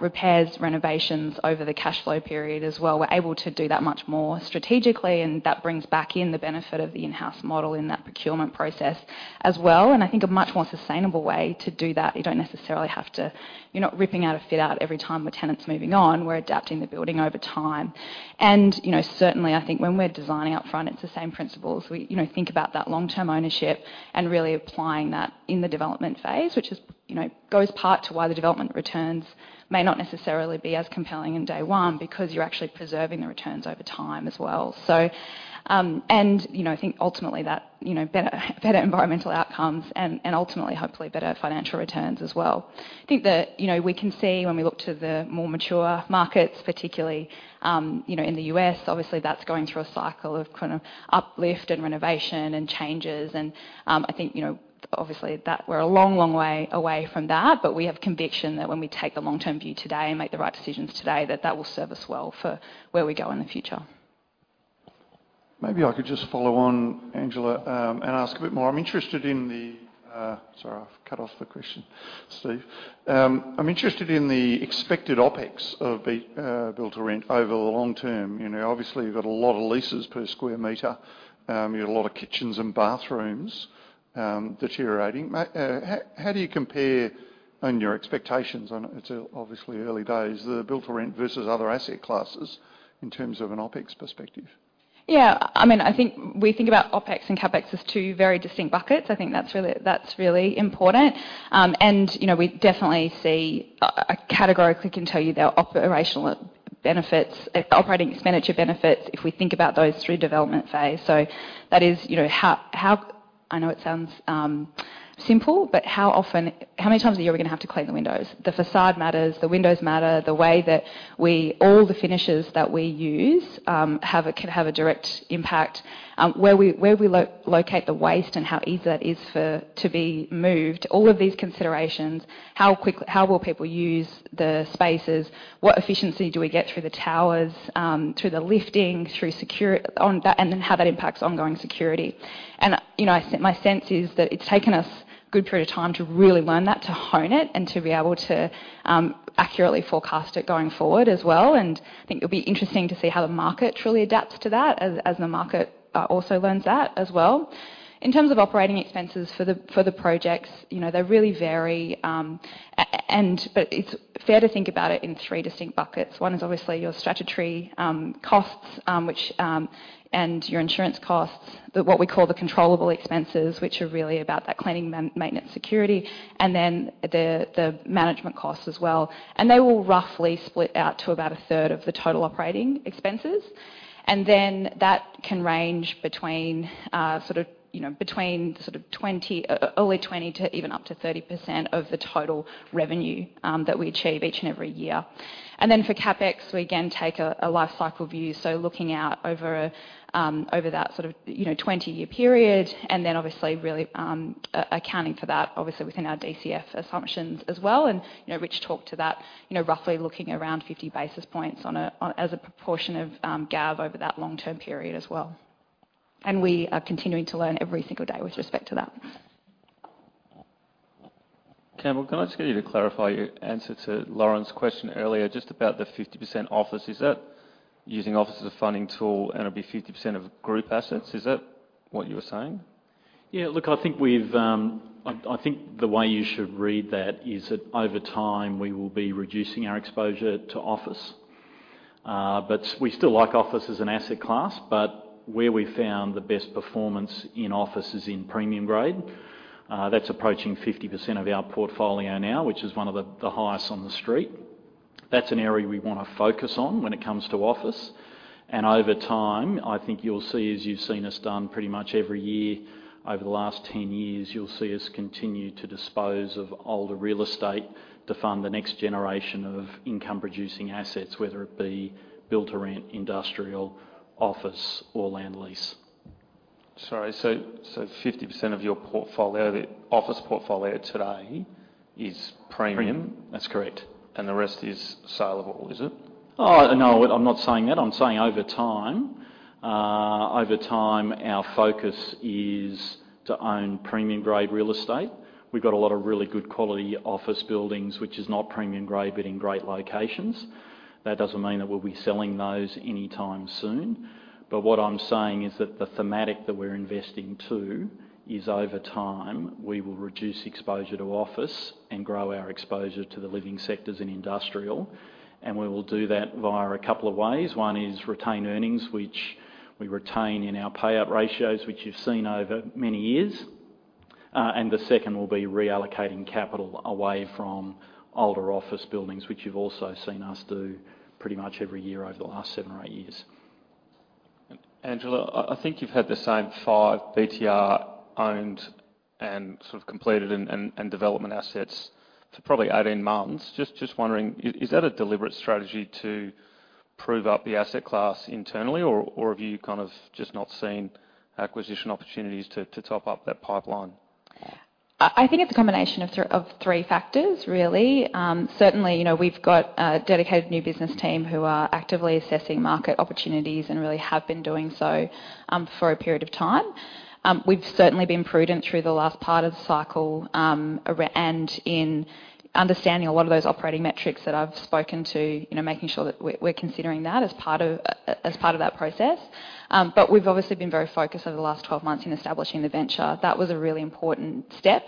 repairs, renovations over the cash flow period as well, we're able to do that much more strategically, and that brings back in the benefit of the in-house model in that procurement process as well, and I think a much more sustainable way to do that. You don't necessarily have to. You're not ripping out a fit out every time a tenant's moving on. We're adapting the building over time. And, you know, certainly, I think when we're designing up front, it's the same principles. We, you know, think about that long-term ownership and really applying that in the development phase, which is, you know, goes part to why the development returns may not necessarily be as compelling in day one, because you're actually preserving the returns over time as well. So, and, you know, I think ultimately, that, you know, better, better environmental outcomes and, and ultimately, hopefully, better financial returns as well. I think that, you know, we can see when we look to the more mature markets, particularly, you know, in the U.S., obviously, that's going through a cycle of kind of uplift and renovation and changes, and, I think, you know, obviously, that we're a long, long way away from that. But we have conviction that when we take the long-term view today and make the right decisions today, that that will serve us well for where we go in the future.... Maybe I could just follow on, Angela, and ask a bit more. I'm interested in the-- Sorry, I've cut off the question, Steve. I'm interested in the expected OpEx of the build-to-rent over the long term. You know, obviously, you've got a lot of leases per square meter, you have a lot of kitchens and bathrooms, deteriorating. How do you compare on your expectations on, it's obviously early days, the build-to-rent versus other asset classes in terms of an OpEx perspective? Yeah. I mean, I think we think about OpEx and CapEx as two very distinct buckets. I think that's really, that's really important. And, you know, we definitely see, I categorically can tell you there are operational benefits, operating expenditure benefits, if we think about those through development phase. So that is, you know, how, how... I know it sounds simple, but how often-- how many times a year are we gonna have to clean the windows? The facade matters, the windows matter, the way that we-- all the finishes that we use, have a, can have a direct impact. Where we, where we locate the waste and how easy that is for to be moved, all of these considerations, how quick- how will people use the spaces? What efficiency do we get through the towers, through the lifting, through security on that, and then how that impacts ongoing security. You know, I sense, my sense is that it's taken us a good period of time to really learn that, to hone it, and to be able to accurately forecast it going forward as well. And I think it'll be interesting to see how the market truly adapts to that as the market also learns that as well. In terms of operating expenses for the projects, you know, they really vary, and but it's fair to think about it in three distinct buckets. One is obviously your statutory costs, which... Your insurance costs, the what we call the controllable expenses, which are really about that cleaning and maintenance, security, and then the management costs as well. They will roughly split out to about a third of the total operating expenses. Then, that can range between, sort of, you know, between sort of 20, early 20 to even up to 30% of the total revenue that we achieve each and every year. Then, for CapEx, we again take a lifecycle view, so looking out over that sort of, you know, 20-year period, and then obviously, really accounting for that, obviously, within our DCF assumptions as well. You know, Rich talked to that, you know, roughly looking around 50 basis points on a, on as a proportion of GAV over that long-term period as well. We are continuing to learn every single day with respect to that. Campbell, can I just get you to clarify your answer to Lauren's question earlier, just about the 50% office? Is that using office as a funding tool, and it'll be 50% of group assets? Is that what you were saying? Yeah, look, I think we've, I think the way you should read that is that over time, we will be reducing our exposure to office, but we still like office as an asset class, but where we found the best performance in office is in premium grade. That's approaching 50% of our portfolio now, which is one of the highest on the street. That's an area we wanna focus on when it comes to office, and over time, I think you'll see, as you've seen us done pretty much every year over the last 10 years, you'll see us continue to dispose of older real estate to fund the next generation of income-producing assets, whether it be build-to-rent, industrial, office or land lease. Sorry, so 50% of your portfolio, the office portfolio today is premium? Premium. That's correct. The rest is saleable, is it? No, I'm not saying that. I'm saying over time, over time, our focus is to own premium-grade real estate. We've got a lot of really good quality office buildings, which is not premium grade, but in great locations. That doesn't mean that we'll be selling those anytime soon. But what I'm saying is that the thematic that we're investing to, is over time, we will reduce exposure to office and grow our exposure to the living sectors and industrial, and we will do that via a couple of ways. One is retained earnings, which we retain in our payout ratios, which you've seen over many years. And the second will be reallocating capital away from older office buildings, which you've also seen us do pretty much every year over the last seven or eight years. Angela, I think you've had the same five BTR owned and sort of completed and development assets for probably 18 months. Just wondering, is that a deliberate strategy to prove up the asset class internally, or have you kind of just not seen acquisition opportunities to top up that pipeline? I think it's a combination of three factors, really. Certainly, you know, we've got a dedicated new business team who are actively assessing market opportunities and really have been doing so for a period of time. We've certainly been prudent through the last part of the cycle and in understanding a lot of those operating metrics that I've spoken to, you know, making sure that we're considering that as part of that process. But we've obviously been very focused over the last 12 months in establishing the venture. That was a really important step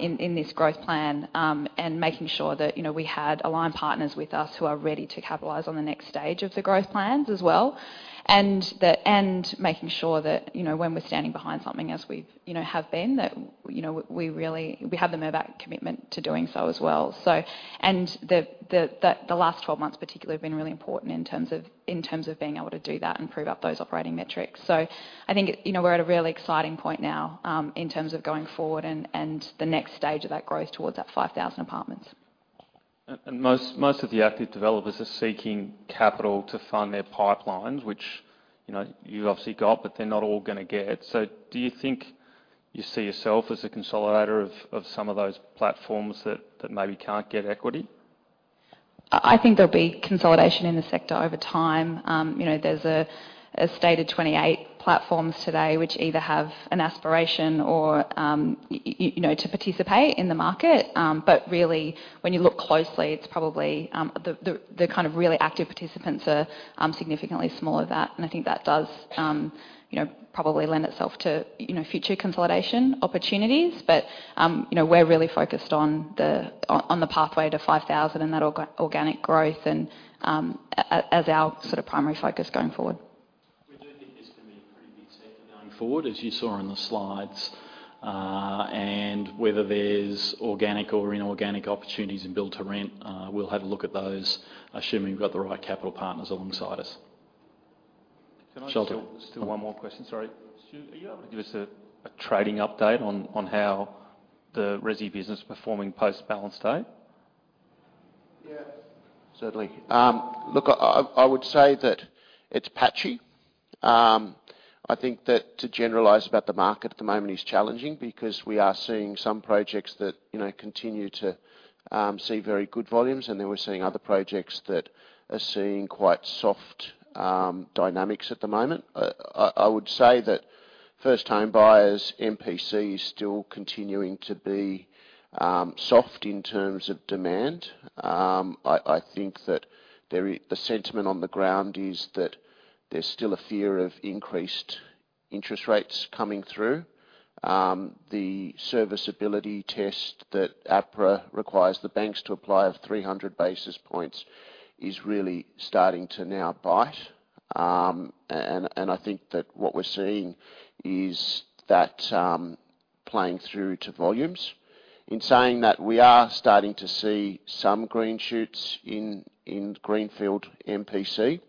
in this growth plan and making sure that, you know, we had aligned partners with us who are ready to capitalize on the next stage of the growth plans as well. And making sure that, you know, when we're standing behind something, as we've, you know, have been, that, you know, we really, we have the commitment to doing so as well. So, and the last 12 months, particularly, have been really important in terms of, in terms of being able to do that and prove up those operating metrics. So I think, you know, we're at a really exciting point now, in terms of going forward and, and the next stage of that growth towards that 5,000 apartments. And most of the active developers are seeking capital to fund their pipelines, which, you know, you've obviously got, but they're not all gonna get. So do you think you see yourself as a consolidator of some of those platforms that maybe can't get equity?... I think there'll be consolidation in the sector over time. You know, there's a stated 28 platforms today, which either have an aspiration or, you know, to participate in the market. But really, when you look closely, it's probably the kind of really active participants are significantly smaller than that, and I think that does, you know, probably lend itself to, you know, future consolidation opportunities. But, you know, we're really focused on the pathway to 5,000 and that organic growth and, as our sort of primary focus going forward. We do think this can be a pretty big sector going forward, as you saw in the slides. And whether there's organic or inorganic opportunities in build-to-rent, we'll have a look at those, assuming we've got the right capital partners alongside us. Can I- Just one more question. Sorry. Stu, are you able to give us a trading update on how the resi business is performing post-balance day? Yes, certainly. Look, I would say that it's patchy. I think that to generalize about the market at the moment is challenging because we are seeing some projects that, you know, continue to see very good volumes, and then we're seeing other projects that are seeing quite soft dynamics at the moment. I would say that first-time buyers, MPC, is still continuing to be soft in terms of demand. I think that there is the sentiment on the ground is that there's still a fear of increased interest rates coming through. The serviceability test that APRA requires the banks to apply of 300 basis points is really starting to now bite. And I think that what we're seeing is that playing through to volumes. In saying that, we are starting to see some green shoots in Greenfield MPC.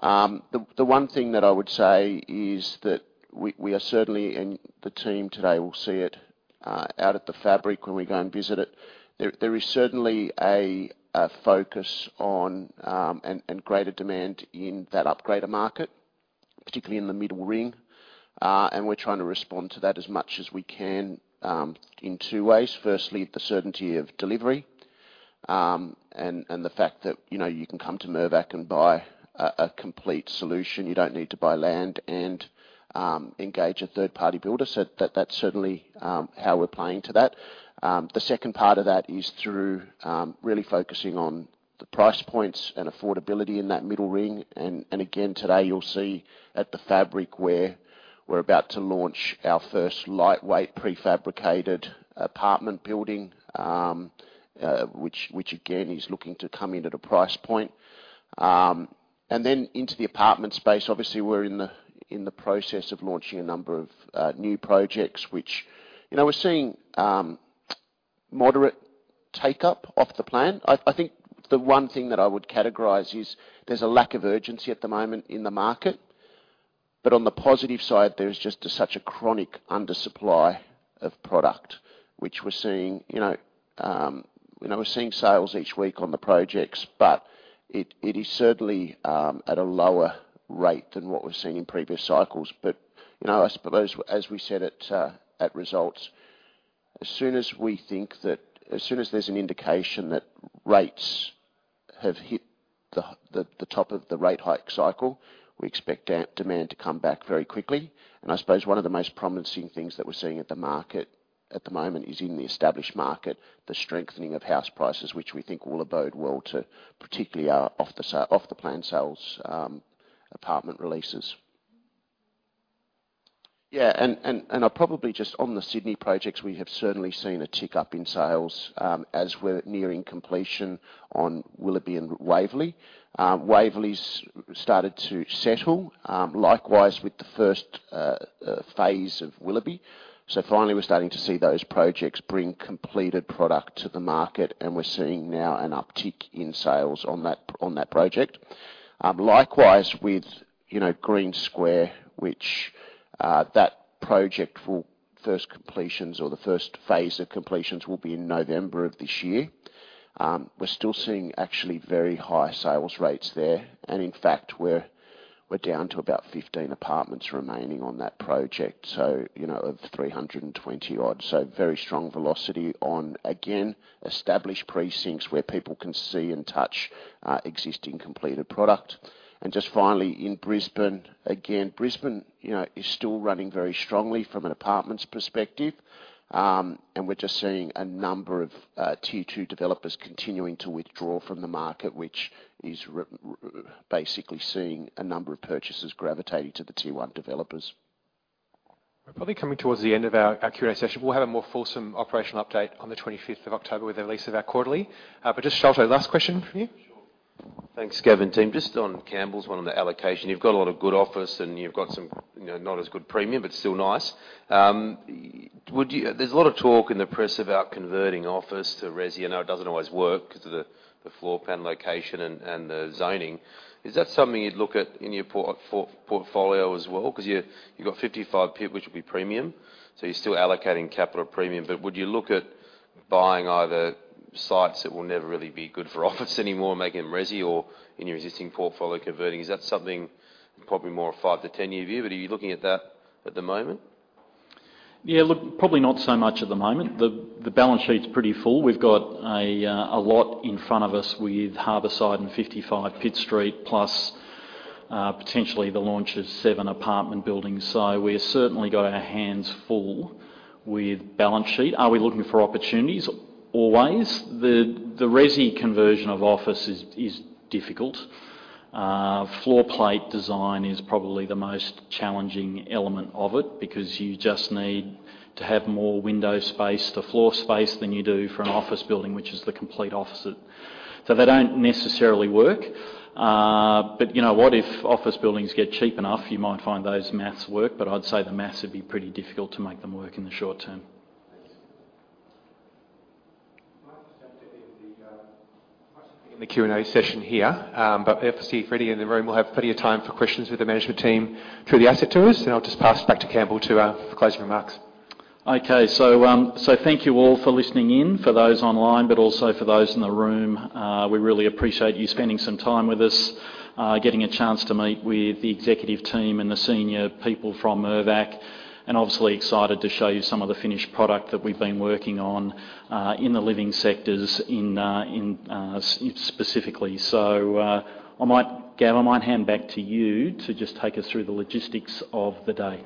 The one thing that I would say is that we are certainly, and the team today will see it, out at The Fabric when we go and visit it. There is certainly a focus on, and greater demand in that upgrader market, particularly in the middle ring. And we're trying to respond to that as much as we can, in two ways. Firstly, the certainty of delivery, and the fact that, you know, you can come to Mirvac and buy a complete solution. You don't need to buy land and engage a third-party builder. So that, that's certainly how we're playing to that. The second part of that is through really focusing on the price points and affordability in that middle ring. And again, today, you'll see at The Fabric where we're about to launch our first lightweight, prefabricated apartment building, which again is looking to come in at a price point. And then into the apartment space, obviously, we're in the process of launching a number of new projects, which, you know, we're seeing moderate take-up off the plan. I think the one thing that I would categorize is there's a lack of urgency at the moment in the market, but on the positive side, there is just such a chronic undersupply of product, which we're seeing you know, you know, we're seeing sales each week on the projects, but it is certainly at a lower rate than what we've seen in previous cycles. But, you know, I suppose, as we said at results, as soon as we think that as soon as there's an indication that rates have hit the the top of the rate hike cycle, we expect demand to come back very quickly. I suppose one of the most promising things that we're seeing at the market at the moment is in the established market, the strengthening of house prices, which we think will bode well to particularly our off-the-plan sales, apartment releases. Yeah, and I'll probably just... On the Sydney projects, we have certainly seen a tick-up in sales, as we're nearing completion on Willoughby and Waverley. Waverley's started to settle, likewise with the first phase of Willoughby. So finally, we're starting to see those projects bring completed product to the market, and we're seeing now an uptick in sales on that, on that project. Likewise, with, you know, Green Square, which, that project will first completions or the first phase of completions will be in November of this year. We're still seeing actually very high sales rates there, and in fact, we're down to about 15 apartments remaining on that project, so, you know, of 320 odd. So very strong velocity on, again, established precincts where people can see and touch existing completed product. And just finally, in Brisbane, again, Brisbane, you know, is still running very strongly from an apartments perspective, and we're just seeing a number of tier two developers continuing to withdraw from the market, which is basically seeing a number of purchasers gravitating to the tier one developers. We're probably coming towards the end of our Q&A session. We'll have a more fulsome operational update on the 25th of October with the release of our quarterly. But just Shelton, last question from you. Sure. Thanks, Gavin team. Just on Campbell's, one on the allocation. You've got a lot of good office, and you've got some, you know, not as good premium, but still nice. Would you-- there's a lot of talk in the press about converting office to resi. I know it doesn't always work because of the, the floor plan, location, and, and the zoning. Is that something you'd look at in your port-- for portfolio as well? Because you, you got 55%, which will be premium, so you're still allocating capital premium. But would you look at buying either sites that will never really be good for office anymore, making them resi or in your existing portfolio converting? Is that something probably more a 5-10 year view, but are you looking at that at the moment? Yeah, look, probably not so much at the moment. The balance sheet's pretty full. We've got a lot in front of us with Harbourside and 55 Pitt Street, plus potentially the launch of seven apartment buildings. So we've certainly got our hands full with balance sheet. Are we looking for opportunities? Always. The resi conversion of office is difficult. Floor plate design is probably the most challenging element of it because you just need to have more window space to floor space than you do for an office building, which is the complete opposite. So they don't necessarily work, but you know what? If office buildings get cheap enough, you might find that math works, but I'd say the math would be pretty difficult to make them work in the short term. Thanks. I might just end the Q&A session here, but if you see Freddie in the room, we'll have plenty of time for questions with the management team through the asset tours, and I'll just pass it back to Campbell for closing remarks. Okay, so thank you all for listening in, for those online, but also for those in the room. We really appreciate you spending some time with us, getting a chance to meet with the executive team and the senior people from Mirvac, and obviously excited to show you some of the finished product that we've been working on in the living sectors specifically. So, Gavin, I might hand back to you to just take us through the logistics of the day.